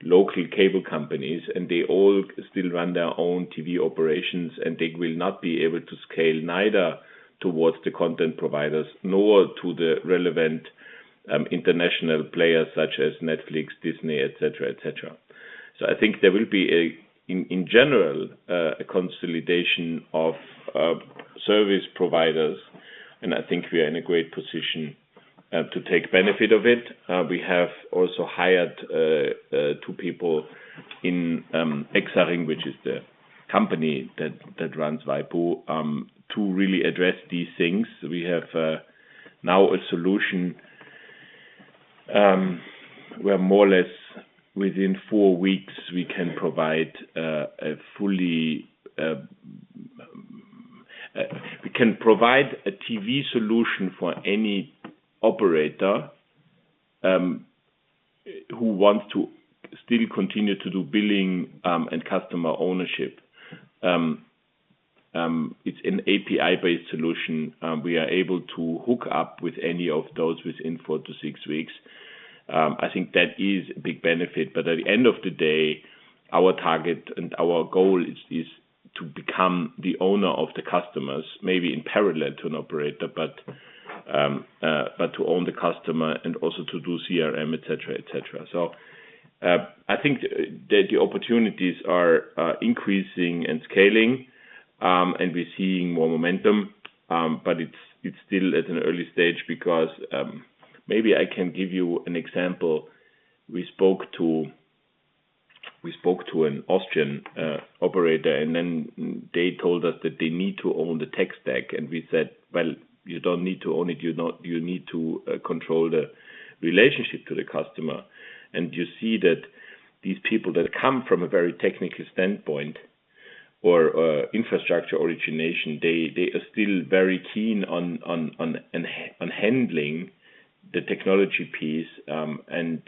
Speaker 1: local cable companies, and they all still run their own TV operations, and they will not be able to scale neither towards the content providers nor to the relevant international players such as Netflix, Disney, et cetera, et cetera. I think there will be, in general, a consolidation of service providers, and I think we are in a great position to take benefit of it. We have also hired two people in EXARING, which is the company that runs waipu.tv, to really address these things. We have now a solution where more or less within four weeks, we can provide a TV solution for any operator who wants to still continue to do billing and customer ownership. It's an API-based solution. We are able to hook up with any of those within four to six weeks. I think that is a big benefit. At the end of the day, our target and our goal is to become the owner of the customers, maybe in parallel to an operator, but to own the customer and also to do CRM, et cetera. I think that the opportunities are increasing and scaling, and we're seeing more momentum. But it's still at an early stage because maybe I can give you an example. We spoke to an Austrian operator, and then they told us that they need to own the tech stack. We said, "Well, you don't need to own it. You need to control the relationship to the customer. You see that these people that come from a very technical standpoint or infrastructure origination, they are still very keen on handling the technology piece, and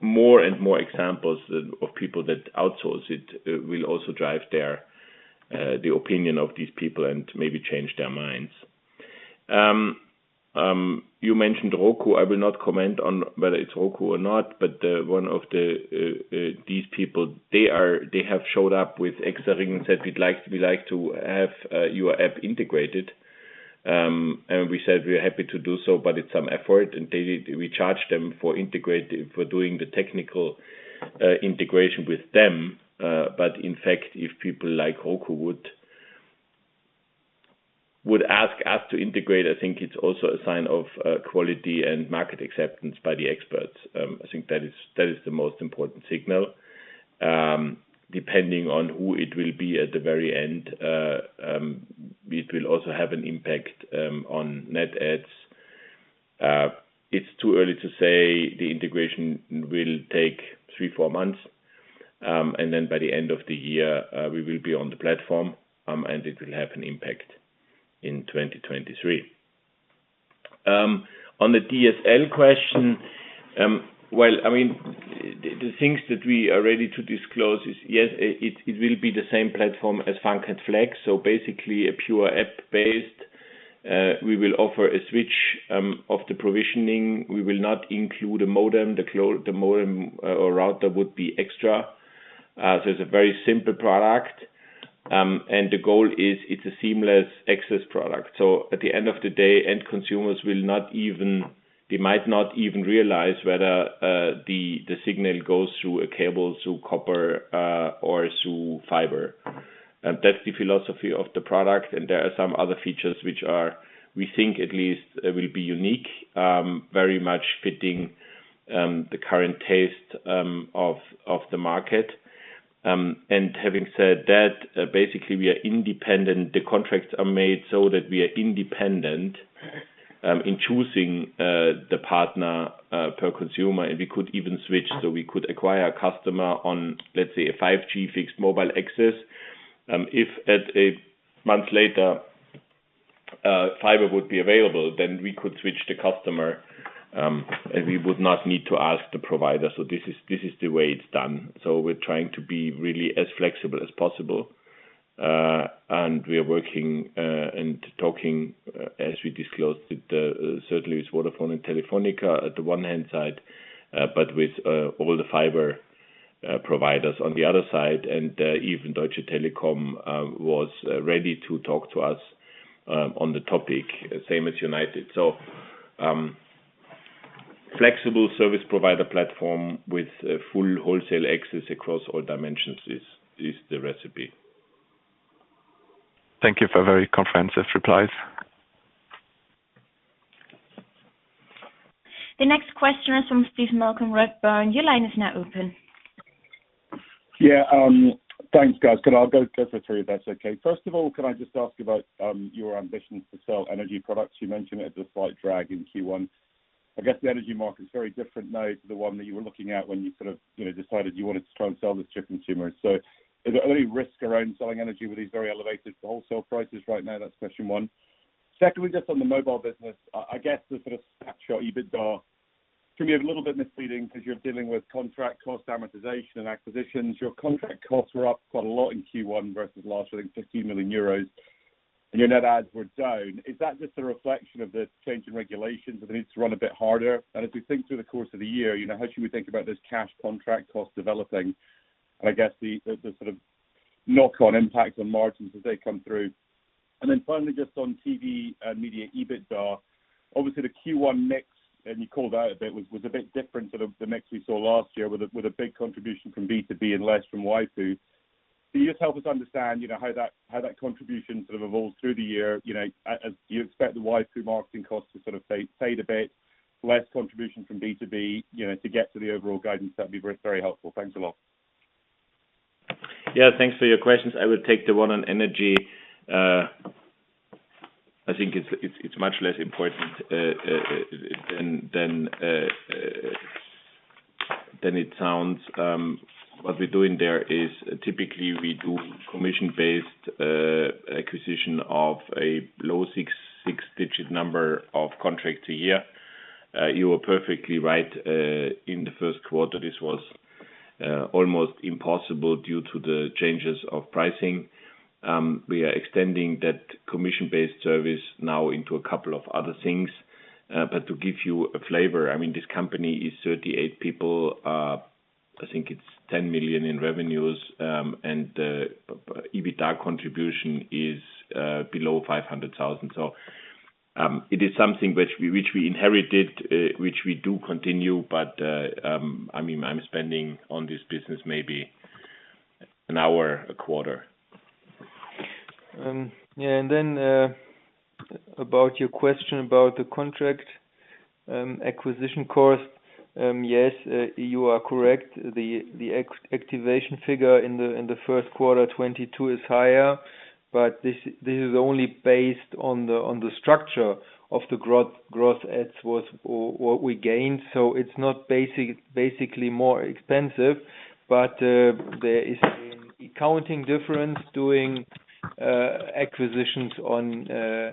Speaker 1: more and more examples of people that outsource it will also drive the opinion of these people and maybe change their minds. You mentioned Roku. I will not comment on whether it's Roku or not, but one of these people, they have showed up with EXARING and said, "We'd like to have your app integrated." We said, we're happy to do so, but it's some effort. We charge them for doing the technical integration with them. In fact, if people like Roku would ask us to integrate, I think it's also a sign of quality and market acceptance by the experts. I think that is the most important signal. Depending on who it will be at the very end, it will also have an impact on net adds. It's too early to say. The integration will take three to four months. By the end of the year, we will be on the platform, and it will have an impact in 2023. On the DSL question, well, I mean, the things that we are ready to disclose is, yes, it will be the same platform as Funk & Flex. So basically a pure app-based. We will offer a switch of the provisioning. We will not include a modem. The modem or router would be extra. It's a very simple product. The goal is it's a seamless access product. At the end of the day, end consumers might not even realize whether the signal goes through a cable, through copper, or through fiber. That's the philosophy of the product. There are some other features which are, we think at least will be unique, very much fitting the current taste of the market. Having said that, basically, we are independent. The contracts are made so that we are independent in choosing the partner per consumer, and we could even switch. We could acquire a customer on, let's say, a 5G fixed mobile access. If a month later fiber would be available, then we could switch the customer, and we would not need to ask the provider. This is the way it's done. We're trying to be really as flexible as possible. We are working and talking, as we disclosed, certainly with Vodafone and Telefónica on the one hand, but with all the fiber providers on the other side. Even Deutsche Telekom was ready to talk to us on the topic, same as United Internet. Flexible service provider platform with a full wholesale access across all dimensions is the recipe.
Speaker 6: Thank you for very comprehensive replies.
Speaker 3: The next question is from Steve Malcolm, Redburn. Your line is now open.
Speaker 7: Yeah, thanks, guys. I'll go for three, if that's okay. First of all, can I just ask about your ambitions to sell energy products? You mentioned it as a slight drag in Q1. I guess the energy market is very different now to the one that you were looking at when you sort of, you know, decided you wanted to try and sell this to your consumers. Is there any risk around selling energy with these very elevated wholesale prices right now? That's question one. Secondly, just on the mobile business, I guess the sort of snapshot EBITDA can be a little bit misleading 'cause you're dealing with contract cost, amortization and acquisitions. Your contract costs were up quite a lot in Q1 versus last, I think 50 million euros, and your net adds were down. Is that just a reflection of the change in regulations that they need to run a bit harder? As we think through the course of the year, you know, how should we think about this cash contract cost developing? I guess the sort of knock on impact on margins as they come through. Then finally, just on TV media EBITDA, obviously the Q1 mix, and you called out a bit, was a bit different to the mix we saw last year with a big contribution from B2B and less from waipu.tv. Can you just help us understand, you know, how that contribution sort of evolves through the year, you know, as you expect the waipu.tv marketing costs to sort of fade a bit, less contribution from B2B, you know, to get to the overall guidance? That'd be very helpful. Thanks a lot.
Speaker 2: Yeah, thanks for your questions. I will take the one on energy. I think it's much less important than it sounds. What we're doing there is typically we do commission-based acquisition of a low six digit number of contracts a year. You are perfectly right. In the first quarter, this was almost impossible due to the changes of pricing. We are extending that commission-based service now into a couple of other things. To give you a flavor, I mean, this company is 38 people. I think it's 10 million in revenues, and EBITDA contribution is below 500,000. It is something which we inherited, which we do continue. I mean, I'm spending on this business maybe an hour a quarter. Yeah, about your question about the contract acquisition cost, yes, you are correct. The activation figure in the first quarter 2022 is higher, but this is only based on the structure of the gross adds was what we gained. It's not basically more expensive, but there is an accounting difference doing acquisitions on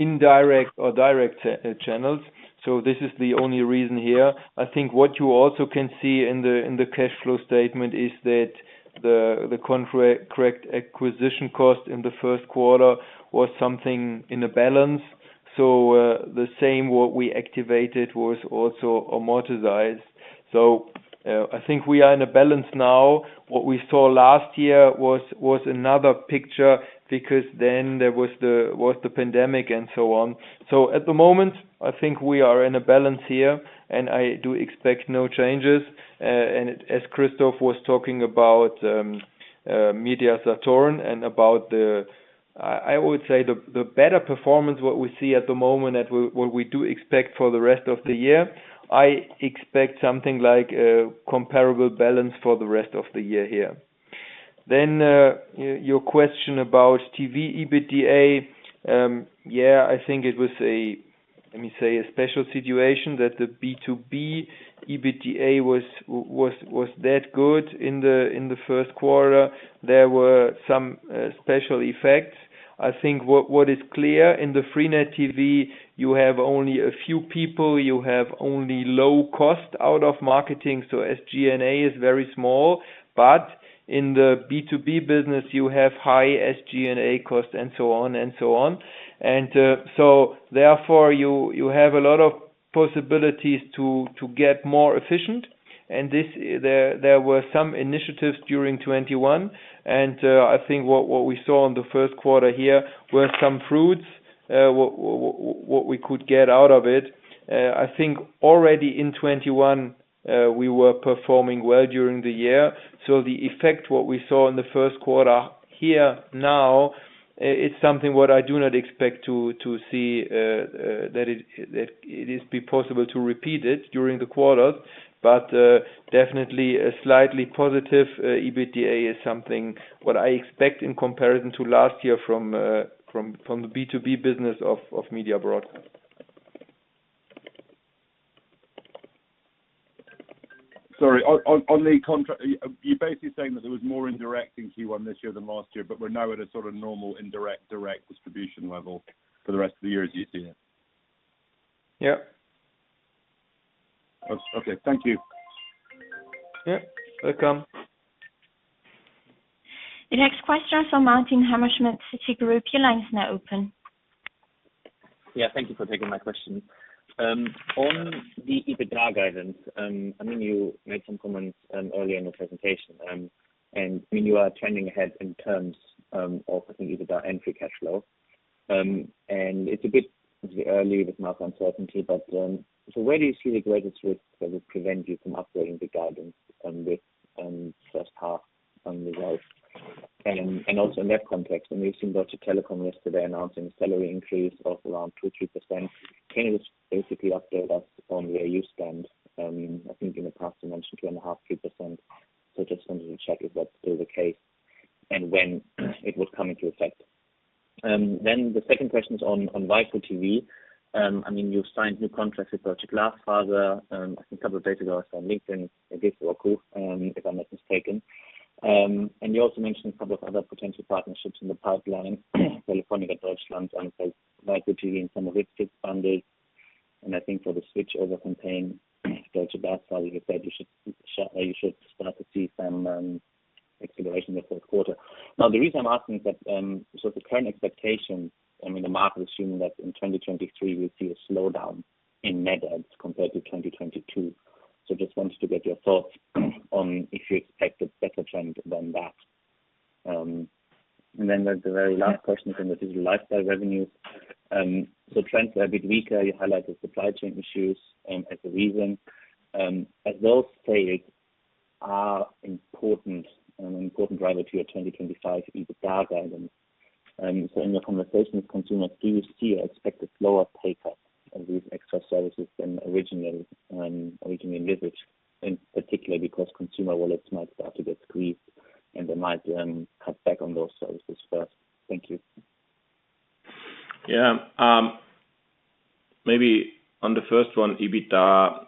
Speaker 2: indirect or direct channels. This is the only reason here. I think what you also can see in the cash flow statement is that the contract acquisition cost in the first quarter was something in the balance. The same what we activated was also amortized. I think we are in a balance now. What we saw last year was another picture because then there was the pandemic and so on. At the moment, I think we are in a balance here, and I do expect no changes. As Christoph was talking about, MediaMarktSaturn and about the better performance, what we see at the moment and what we do expect for the rest of the year, I expect something like a comparable balance for the rest of the year here. Your question about TV EBITDA, yeah, I think it was, let me say, a special situation that the B2B EBITDA was that good in the first quarter. There were some special effects. I think what is clear in the freenet TV, you have only a few people, you have only low cost out of marketing, so SG&A is very small. In the B2B business you have high SG&A costs and so on and so on. therefore you have a lot of possibilities to get more efficient. there were some initiatives during 2021, and I think what we saw in the first quarter here were some fruits, what we could get out of it. I think already in 2021 we were performing well during the year. the effect, what we saw in the first quarter here now, it's something what I do not expect to see, that it be possible to repeat it during the quarters. Definitely a slightly positive EBITDA is something what I expect in comparison to last year from the B2B business of Media Broadcast.
Speaker 7: Sorry. On the contract, you're basically saying that there was more indirect in Q1 this year than last year, but we're now at a sort of normal indirect-direct distribution level for the rest of the year as you see it.
Speaker 2: Yeah.
Speaker 7: That's okay. Thank you.
Speaker 2: Yeah. Welcome.
Speaker 3: The next question is from Martin Hammerschmidt, Citigroup. Your line is now open.
Speaker 8: Yeah. Thank you for taking my question. On the EBITDA guidance, I mean, you made some comments earlier in the presentation, and I mean, you are trending ahead in terms of I think EBITDA and free cash flow. It's a bit obviously early with market uncertainty, but where do you see the greatest risk that would prevent you from upgrading the guidance with first half results? And also in that context, I mean, we've seen Deutsche Telekom yesterday announcing a salary increase of around 2%-3%. Can you just basically update us on where you stand? I think in the past you mentioned 2.5%-3%. Just wanted to check if that's still the case and when it would come into effect. The second question is on waipu.tv. I mean, you've signed new contracts with Deutsche Glasfaser. I think a couple of days ago I saw on LinkedIn about Roku, if I'm not mistaken. You also mentioned a couple of other potential partnerships in the pipeline. Telefónica Deutschland signs up waipu.tv in some of its fixed bundles. I think for the switchover campaign, Deutsche Glasfaser, you said you should start to see some acceleration in the fourth quarter. Now, the reason I'm asking is that, the current expectation, I mean, the market is assuming that in 2023 we'll see a slowdown in net adds compared to 2022. Just wanted to get your thoughts on if you expect a better trend than that. The very last question is on the Digital Life Style revenue. Trends were a bit weaker. You highlighted supply chain issues as the reason. As those sales are important, an important driver to your 2025 EBITDA guidance, in your conversations with consumers, do you see or expect a slower take-up of these extra services than originally envisaged, in particular because consumer wallets might start to get squeezed, and they might cut back on those services first? Thank you.
Speaker 1: Yeah. Maybe on the first one, EBITDA,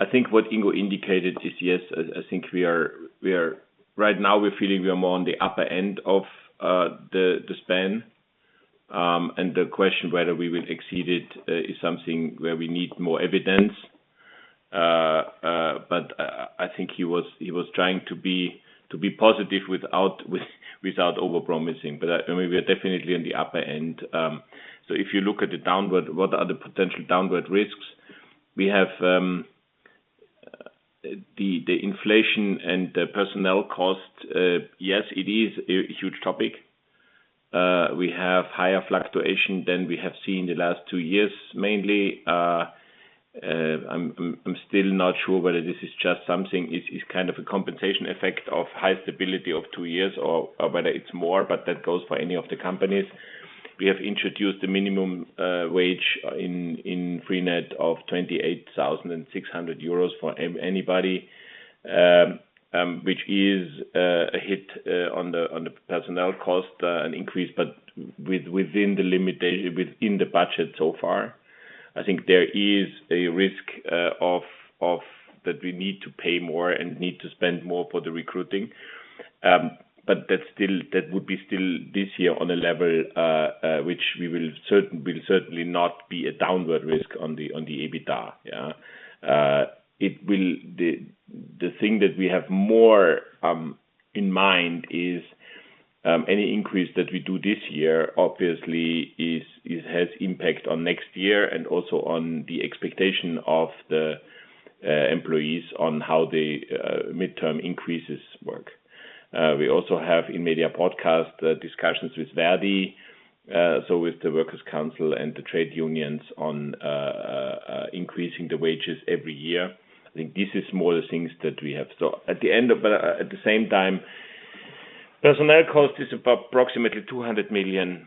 Speaker 1: I think what Ingo indicated is, yes, I think we are. Right now we're feeling we are more on the upper end of the span. The question whether we will exceed it is something where we need more evidence. I think he was trying to be positive without overpromising. I mean, we are definitely on the upper end. If you look at the downside, what are the potential downside risks we have, the inflation and the personnel cost. Yes, it is a huge topic. We have higher fluctuation than we have seen the last two years, mainly. I'm still not sure whether this is just something, it's kind of a compensation effect of high stability of two years or whether it's more, but that goes for any of the companies. We have introduced a minimum wage in freenet of 28,600 euros for anybody, which is a hit on the personnel cost, an increase, but within the limitation, within the budget so far. I think there is a risk of that we need to pay more and need to spend more for the recruiting. That's still, that would be still this year on a level which we will certainly not be a downward risk on the EBITDA. Yeah. The thing that we have more in mind is any increase that we do this year obviously has impact on next year and also on the expectation of the employees on how the midterm increases work. We also have in Media Broadcast discussions with ver.di, so with the works council and the trade unions on increasing the wages every year. I think this is more the things that we have. At the same time, personnel cost is approximately 200 million.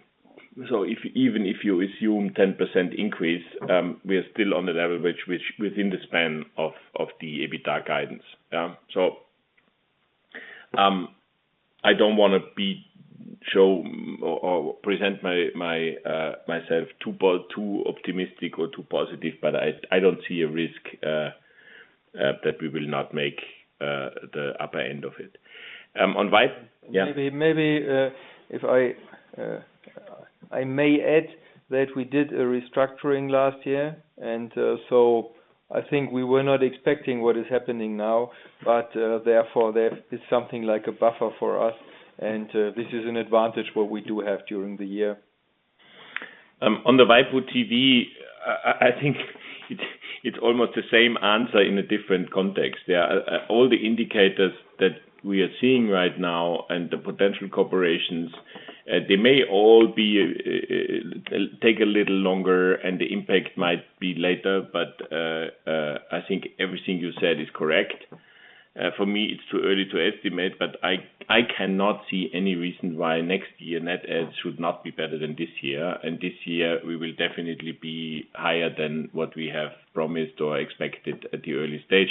Speaker 1: Even if you assume 10% increase, we are still on the level which within the span of the EBITDA guidance. I don't want to present myself too optimistic or too positive, but I don't see a risk that we will not make the upper end of it. Yeah.
Speaker 2: Maybe if I may add that we did a restructuring last year, and so I think we were not expecting what is happening now, but therefore there is something like a buffer for us. This is an advantage what we do have during the year.
Speaker 1: On the waipu.tv, I think it's almost the same answer in a different context. Yeah. All the indicators that we are seeing right now and the potential cooperations, they may all take a little longer, and the impact might be later. I think everything you said is correct. For me, it's too early to estimate, but I cannot see any reason why next year net adds should not be better than this year. This year we will definitely be higher than what we have promised or expected at the early stage.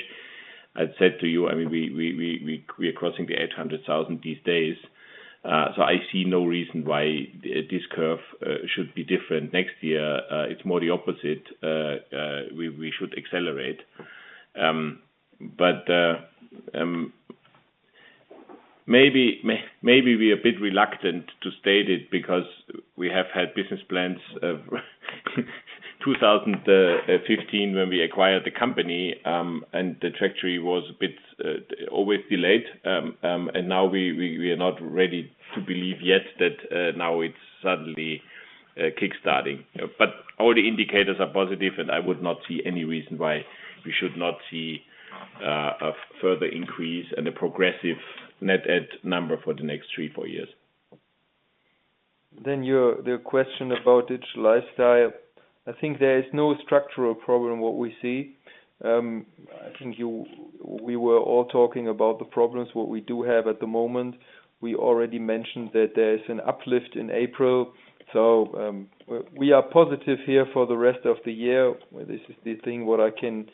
Speaker 1: I said to you, I mean, we are crossing the 800,000 these days. So I see no reason why this curve should be different next year. It's more the opposite. We should accelerate. Maybe we are a bit reluctant to state it because we have had business plans of 2015 when we acquired the company, and the trajectory was a bit always delayed. Now we are not ready to believe yet that now it's suddenly kickstarting. All the indicators are positive, and I would not see any reason why we should not see a further increase and a progressive net add number for the next three to four years.
Speaker 2: The question about digital lifestyle. I think there is no structural problem what we see. I think we were all talking about the problems, what we do have at the moment. We already mentioned that there's an uplift in April, we are positive here for the rest of the year. This is the thing what I can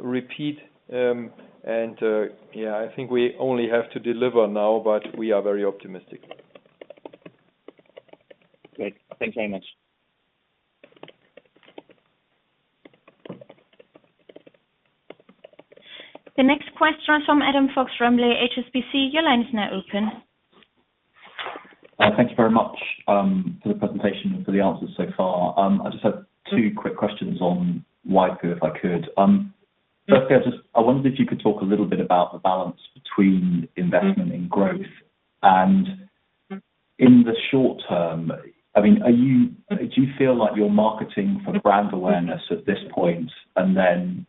Speaker 2: repeat. I think we only have to deliver now, but we are very optimistic.
Speaker 8: Great. Thanks very much.
Speaker 3: The next question is from Adam Fox-Rumley from HSBC. Your line is now open.
Speaker 9: Thank you very much for the presentation and for the answers so far. I just have two quick questions on waipu.tv, if I could. First, I just wondered if you could talk a little bit about the balance between investment and growth and in the short term, I mean, do you feel like you're marketing for brand awareness at this point and then,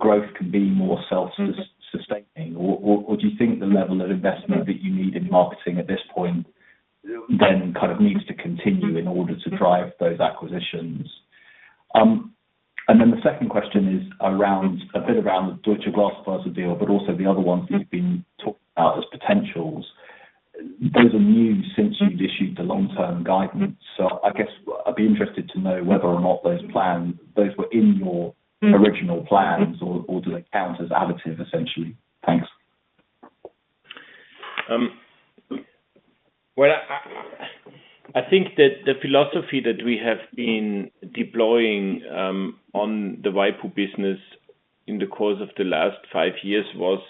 Speaker 9: growth can be more self-sustaining? Or do you think the level of investment that you need in marketing at this point then kind of needs to continue in order to drive those acquisitions? The second question is a bit around the Deutsche Glasfaser deal, but also the other ones that you've been talking about as potentials. Those are new since you've issued the long-term guidance. I guess I'd be interested to know whether or not those were in your original plans or do they count as additive, essentially? Thanks.
Speaker 1: Well, I think that the philosophy that we have been deploying on the waipu.tv business in the course of the last five years was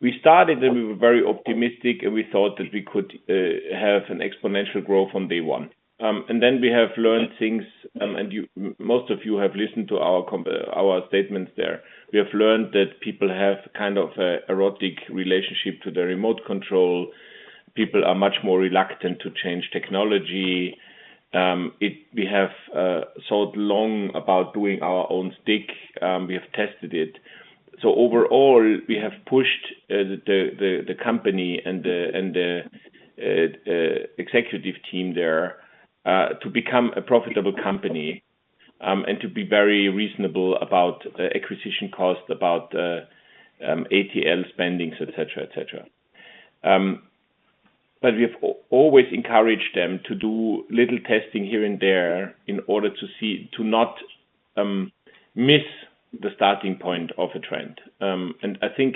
Speaker 1: we started, and we were very optimistic, and we thought that we could have an exponential growth on day one. Then we have learned things, and most of you have listened to our statements there. We have learned that people have kind of erotic relationship to the remote control. People are much more reluctant to change technology. We have thought long about doing our own stick. We have tested it. Overall, we have pushed the company and the executive team there to become a profitable company and to be very reasonable about acquisition costs about ATL spending, et cetera, et cetera. We have always encouraged them to do little testing here and there in order to not miss the starting point of a trend. I think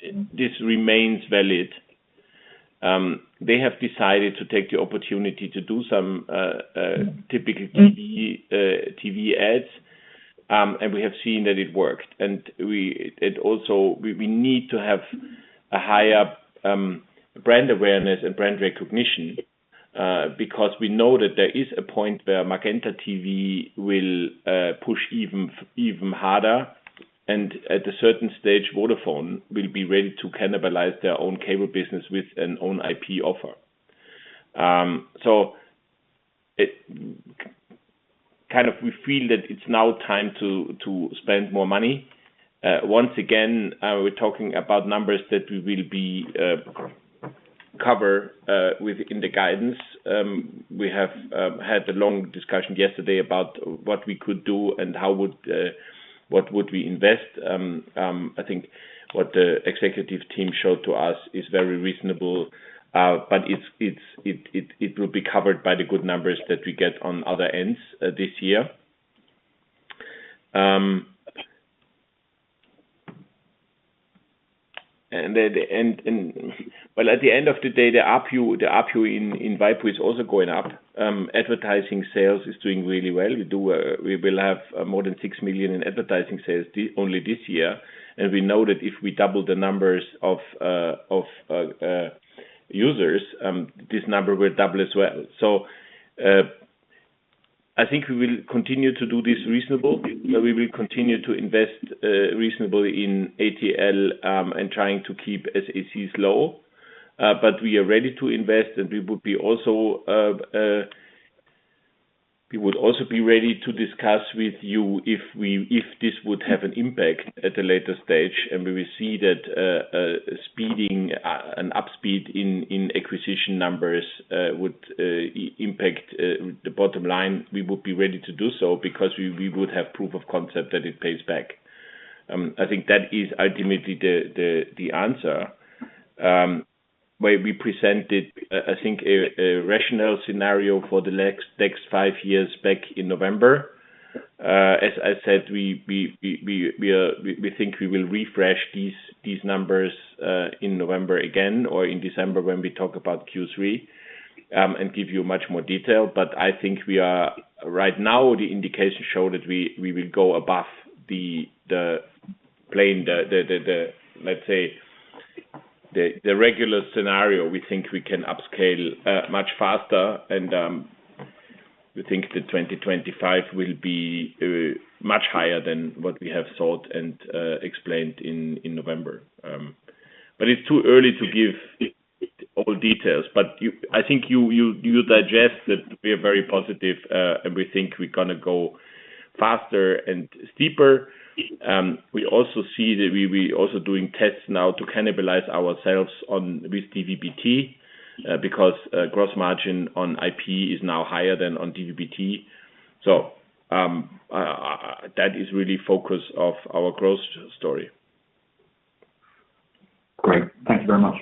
Speaker 1: this remains valid. They have decided to take the opportunity to do some typical TV ads and we have seen that it worked. We need to have a higher brand awareness and brand recognition because we know that there is a point where MagentaTV will push even harder, and at a certain stage, Vodafone will be ready to cannibalize their own cable business with an own IP offer. We feel that it's now time to spend more money. Once again, we're talking about numbers that we will be covered within the guidance. We have had a long discussion yesterday about what we could do and how we would invest. I think what the executive team showed to us is very reasonable, but it will be covered by the good numbers that we get on other ends this year. At the end of the day, the ARPU in waipu.tv is also going up. Advertising sales is doing really well. We will have more than 6 million in advertising sales only this year, and we know that if we double the numbers of users, this number will double as well. I think we will continue to do this reasonably. We will continue to invest reasonably in ATL and trying to keep SACs low. We are ready to invest, and we would also be ready to discuss with you if this would have an impact at a later stage, and we will see that speeding up acquisition numbers would impact the bottom line. We would be ready to do so because we would have proof of concept that it pays back. I think that is ultimately the answer. Where we presented, I think a rational scenario for the next five years back in November. As I said, we think we will refresh these numbers in November again or in December when we talk about Q3, and give you much more detail. I think we are right now, the indications show that we will go above the plan, let's say, the regular scenario. We think we can upscale much faster and we think that 2025 will be much higher than what we have thought and explained in November. It's too early to give all details. I think you digest that we are very positive and we think we're gonna go faster and steeper. We also see that we also doing tests now to cannibalize ourselves with DVB-T, because gross margin on IP is now higher than on DVB-T. That is really focus of our growth story.
Speaker 9: Great. Thank you very much.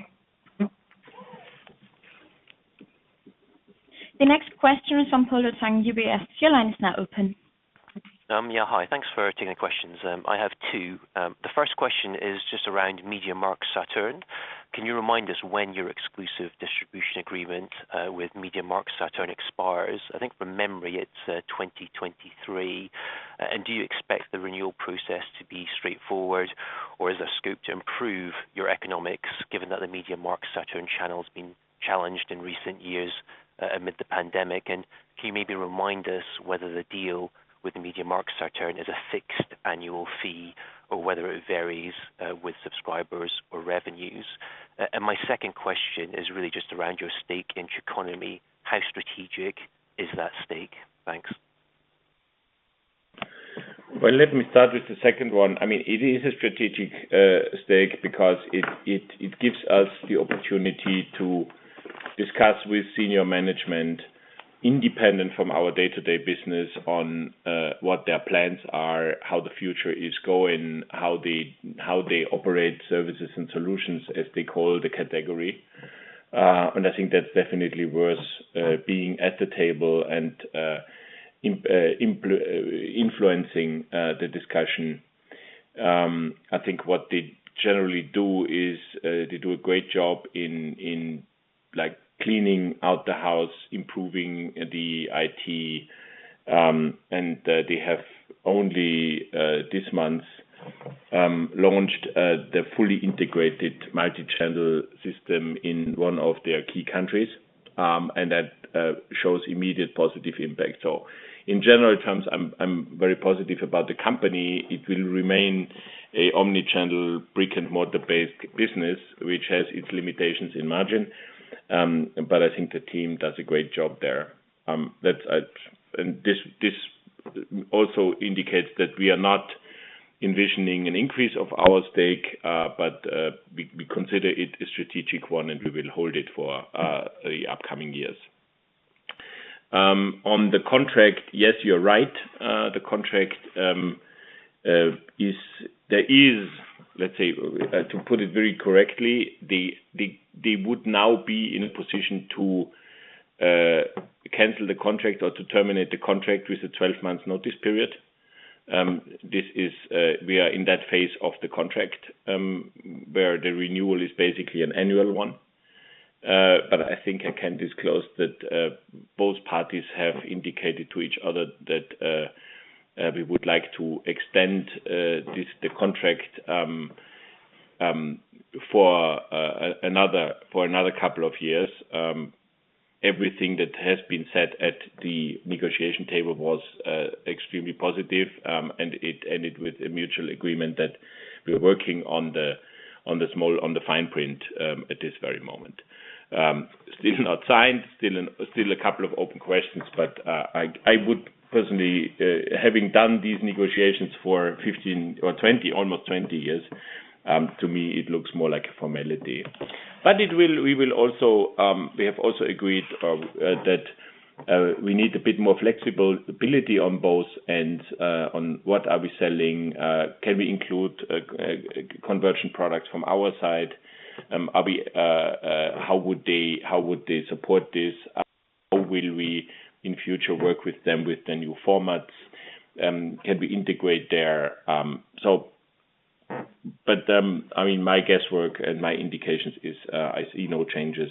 Speaker 3: The next question is from Polo Tang, UBS. Your line is now open.
Speaker 10: Thanks for taking the questions. I have two. The first question is just around MediaMarktSaturn. Can you remind us when your exclusive distribution agreement with MediaMarktSaturn expires? I think from memory, it's 2023. Do you expect the renewal process to be straightforward, or is there scope to improve your economics, given that the MediaMarktSaturn channel's been challenged in recent years amid the pandemic? Can you maybe remind us whether the deal with MediaMarktSaturn is a fixed annual fee or whether it varies with subscribers or revenues? My second question is really just around your stake in Triconomy. How strategic is that stake? Thanks.
Speaker 1: Well, let me start with the second one. I mean, it is a strategic stake because it gives us the opportunity to discuss with senior management independent from our day-to-day business on what their plans are, how the future is going, how they operate services and solutions, as they call the category. I think that's definitely worth being at the table and influencing the discussion. I think what they generally do is they do a great job in like cleaning out the house, improving the IT. They have only this month launched the fully integrated multi-channel system in one of their key countries. That shows immediate positive impact. In general terms, I'm very positive about the company. It will remain an omni-channel, brick-and-mortar based business, which has its limitations in margin. But I think the team does a great job there. This also indicates that we are not envisioning an increase of our stake, but we consider it a strategic one, and we will hold it for the upcoming years. On the contract, yes, you're right. The contract is. There is, let's say, to put it very correctly, they would now be in a position to cancel the contract or to terminate the contract with a 12 month notice period. We are in that phase of the contract, where the renewal is basically an annual one. I think I can disclose that both parties have indicated to each other that we would like to extend the contract for another couple of years. Everything that has been said at the negotiation table was extremely positive and it ended with a mutual agreement that we're working on the fine print at this very moment. Still not signed, still a couple of open questions, I would personally, having done these negotiations for 15 or 20, almost 20 years, to me, it looks more like a formality. We will also, we have also agreed that we need a bit more flexibility on both ends, on what we are selling, can we include conversion products from our side? Are we, how would they support this? How will we, in future, work with them with the new formats? Can we integrate their? I mean, my guesswork and my indications is, I see no changes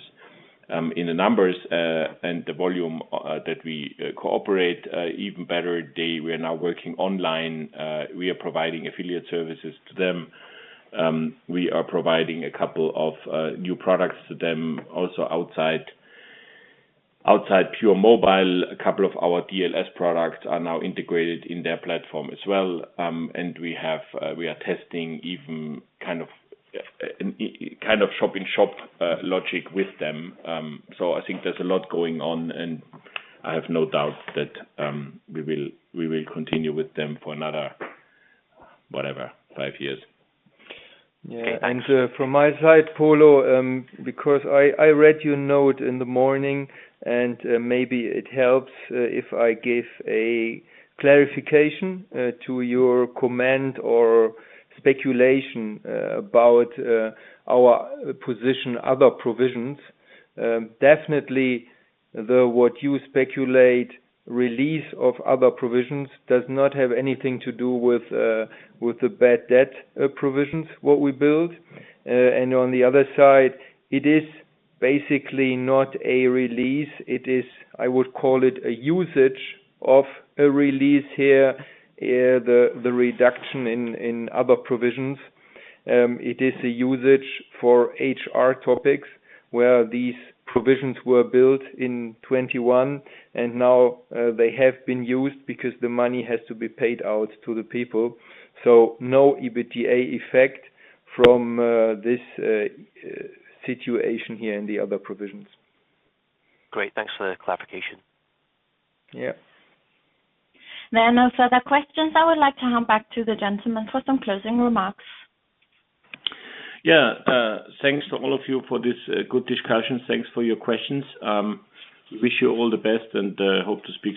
Speaker 1: in the numbers and the volume that we cooperate even better, they were now working online. We are providing affiliate services to them. We are providing a couple of new products to them also outside pure mobile. A couple of our DLS products are now integrated in their platform as well. We are testing even kind of shop in shop logic with them. I think there's a lot going on, and I have no doubt that we will continue with them for another whatever five years.
Speaker 2: Yeah. From my side, Paulo, because I read your note in the morning, and maybe it helps if I give a clarification to your comment or speculation about our position, other provisions. Definitely what you speculate, release of other provisions does not have anything to do with the bad debt provisions what we build. On the other side, it is basically not a release. It is, I would call it a usage of a release here, the reduction in other provisions. It is a usage for HR topics, where these provisions were built in 2021, and now they have been used because the money has to be paid out to the people. No EBITDA effect from this situation here in the other provisions.
Speaker 10: Great. Thanks for the clarification.
Speaker 2: Yeah.
Speaker 3: There are no further questions. I would like to hand back to the gentlemen for some closing remarks.
Speaker 1: Yeah. Thanks to all of you for this good discussion. Thanks for your questions. We wish you all the best and hope to speak soon.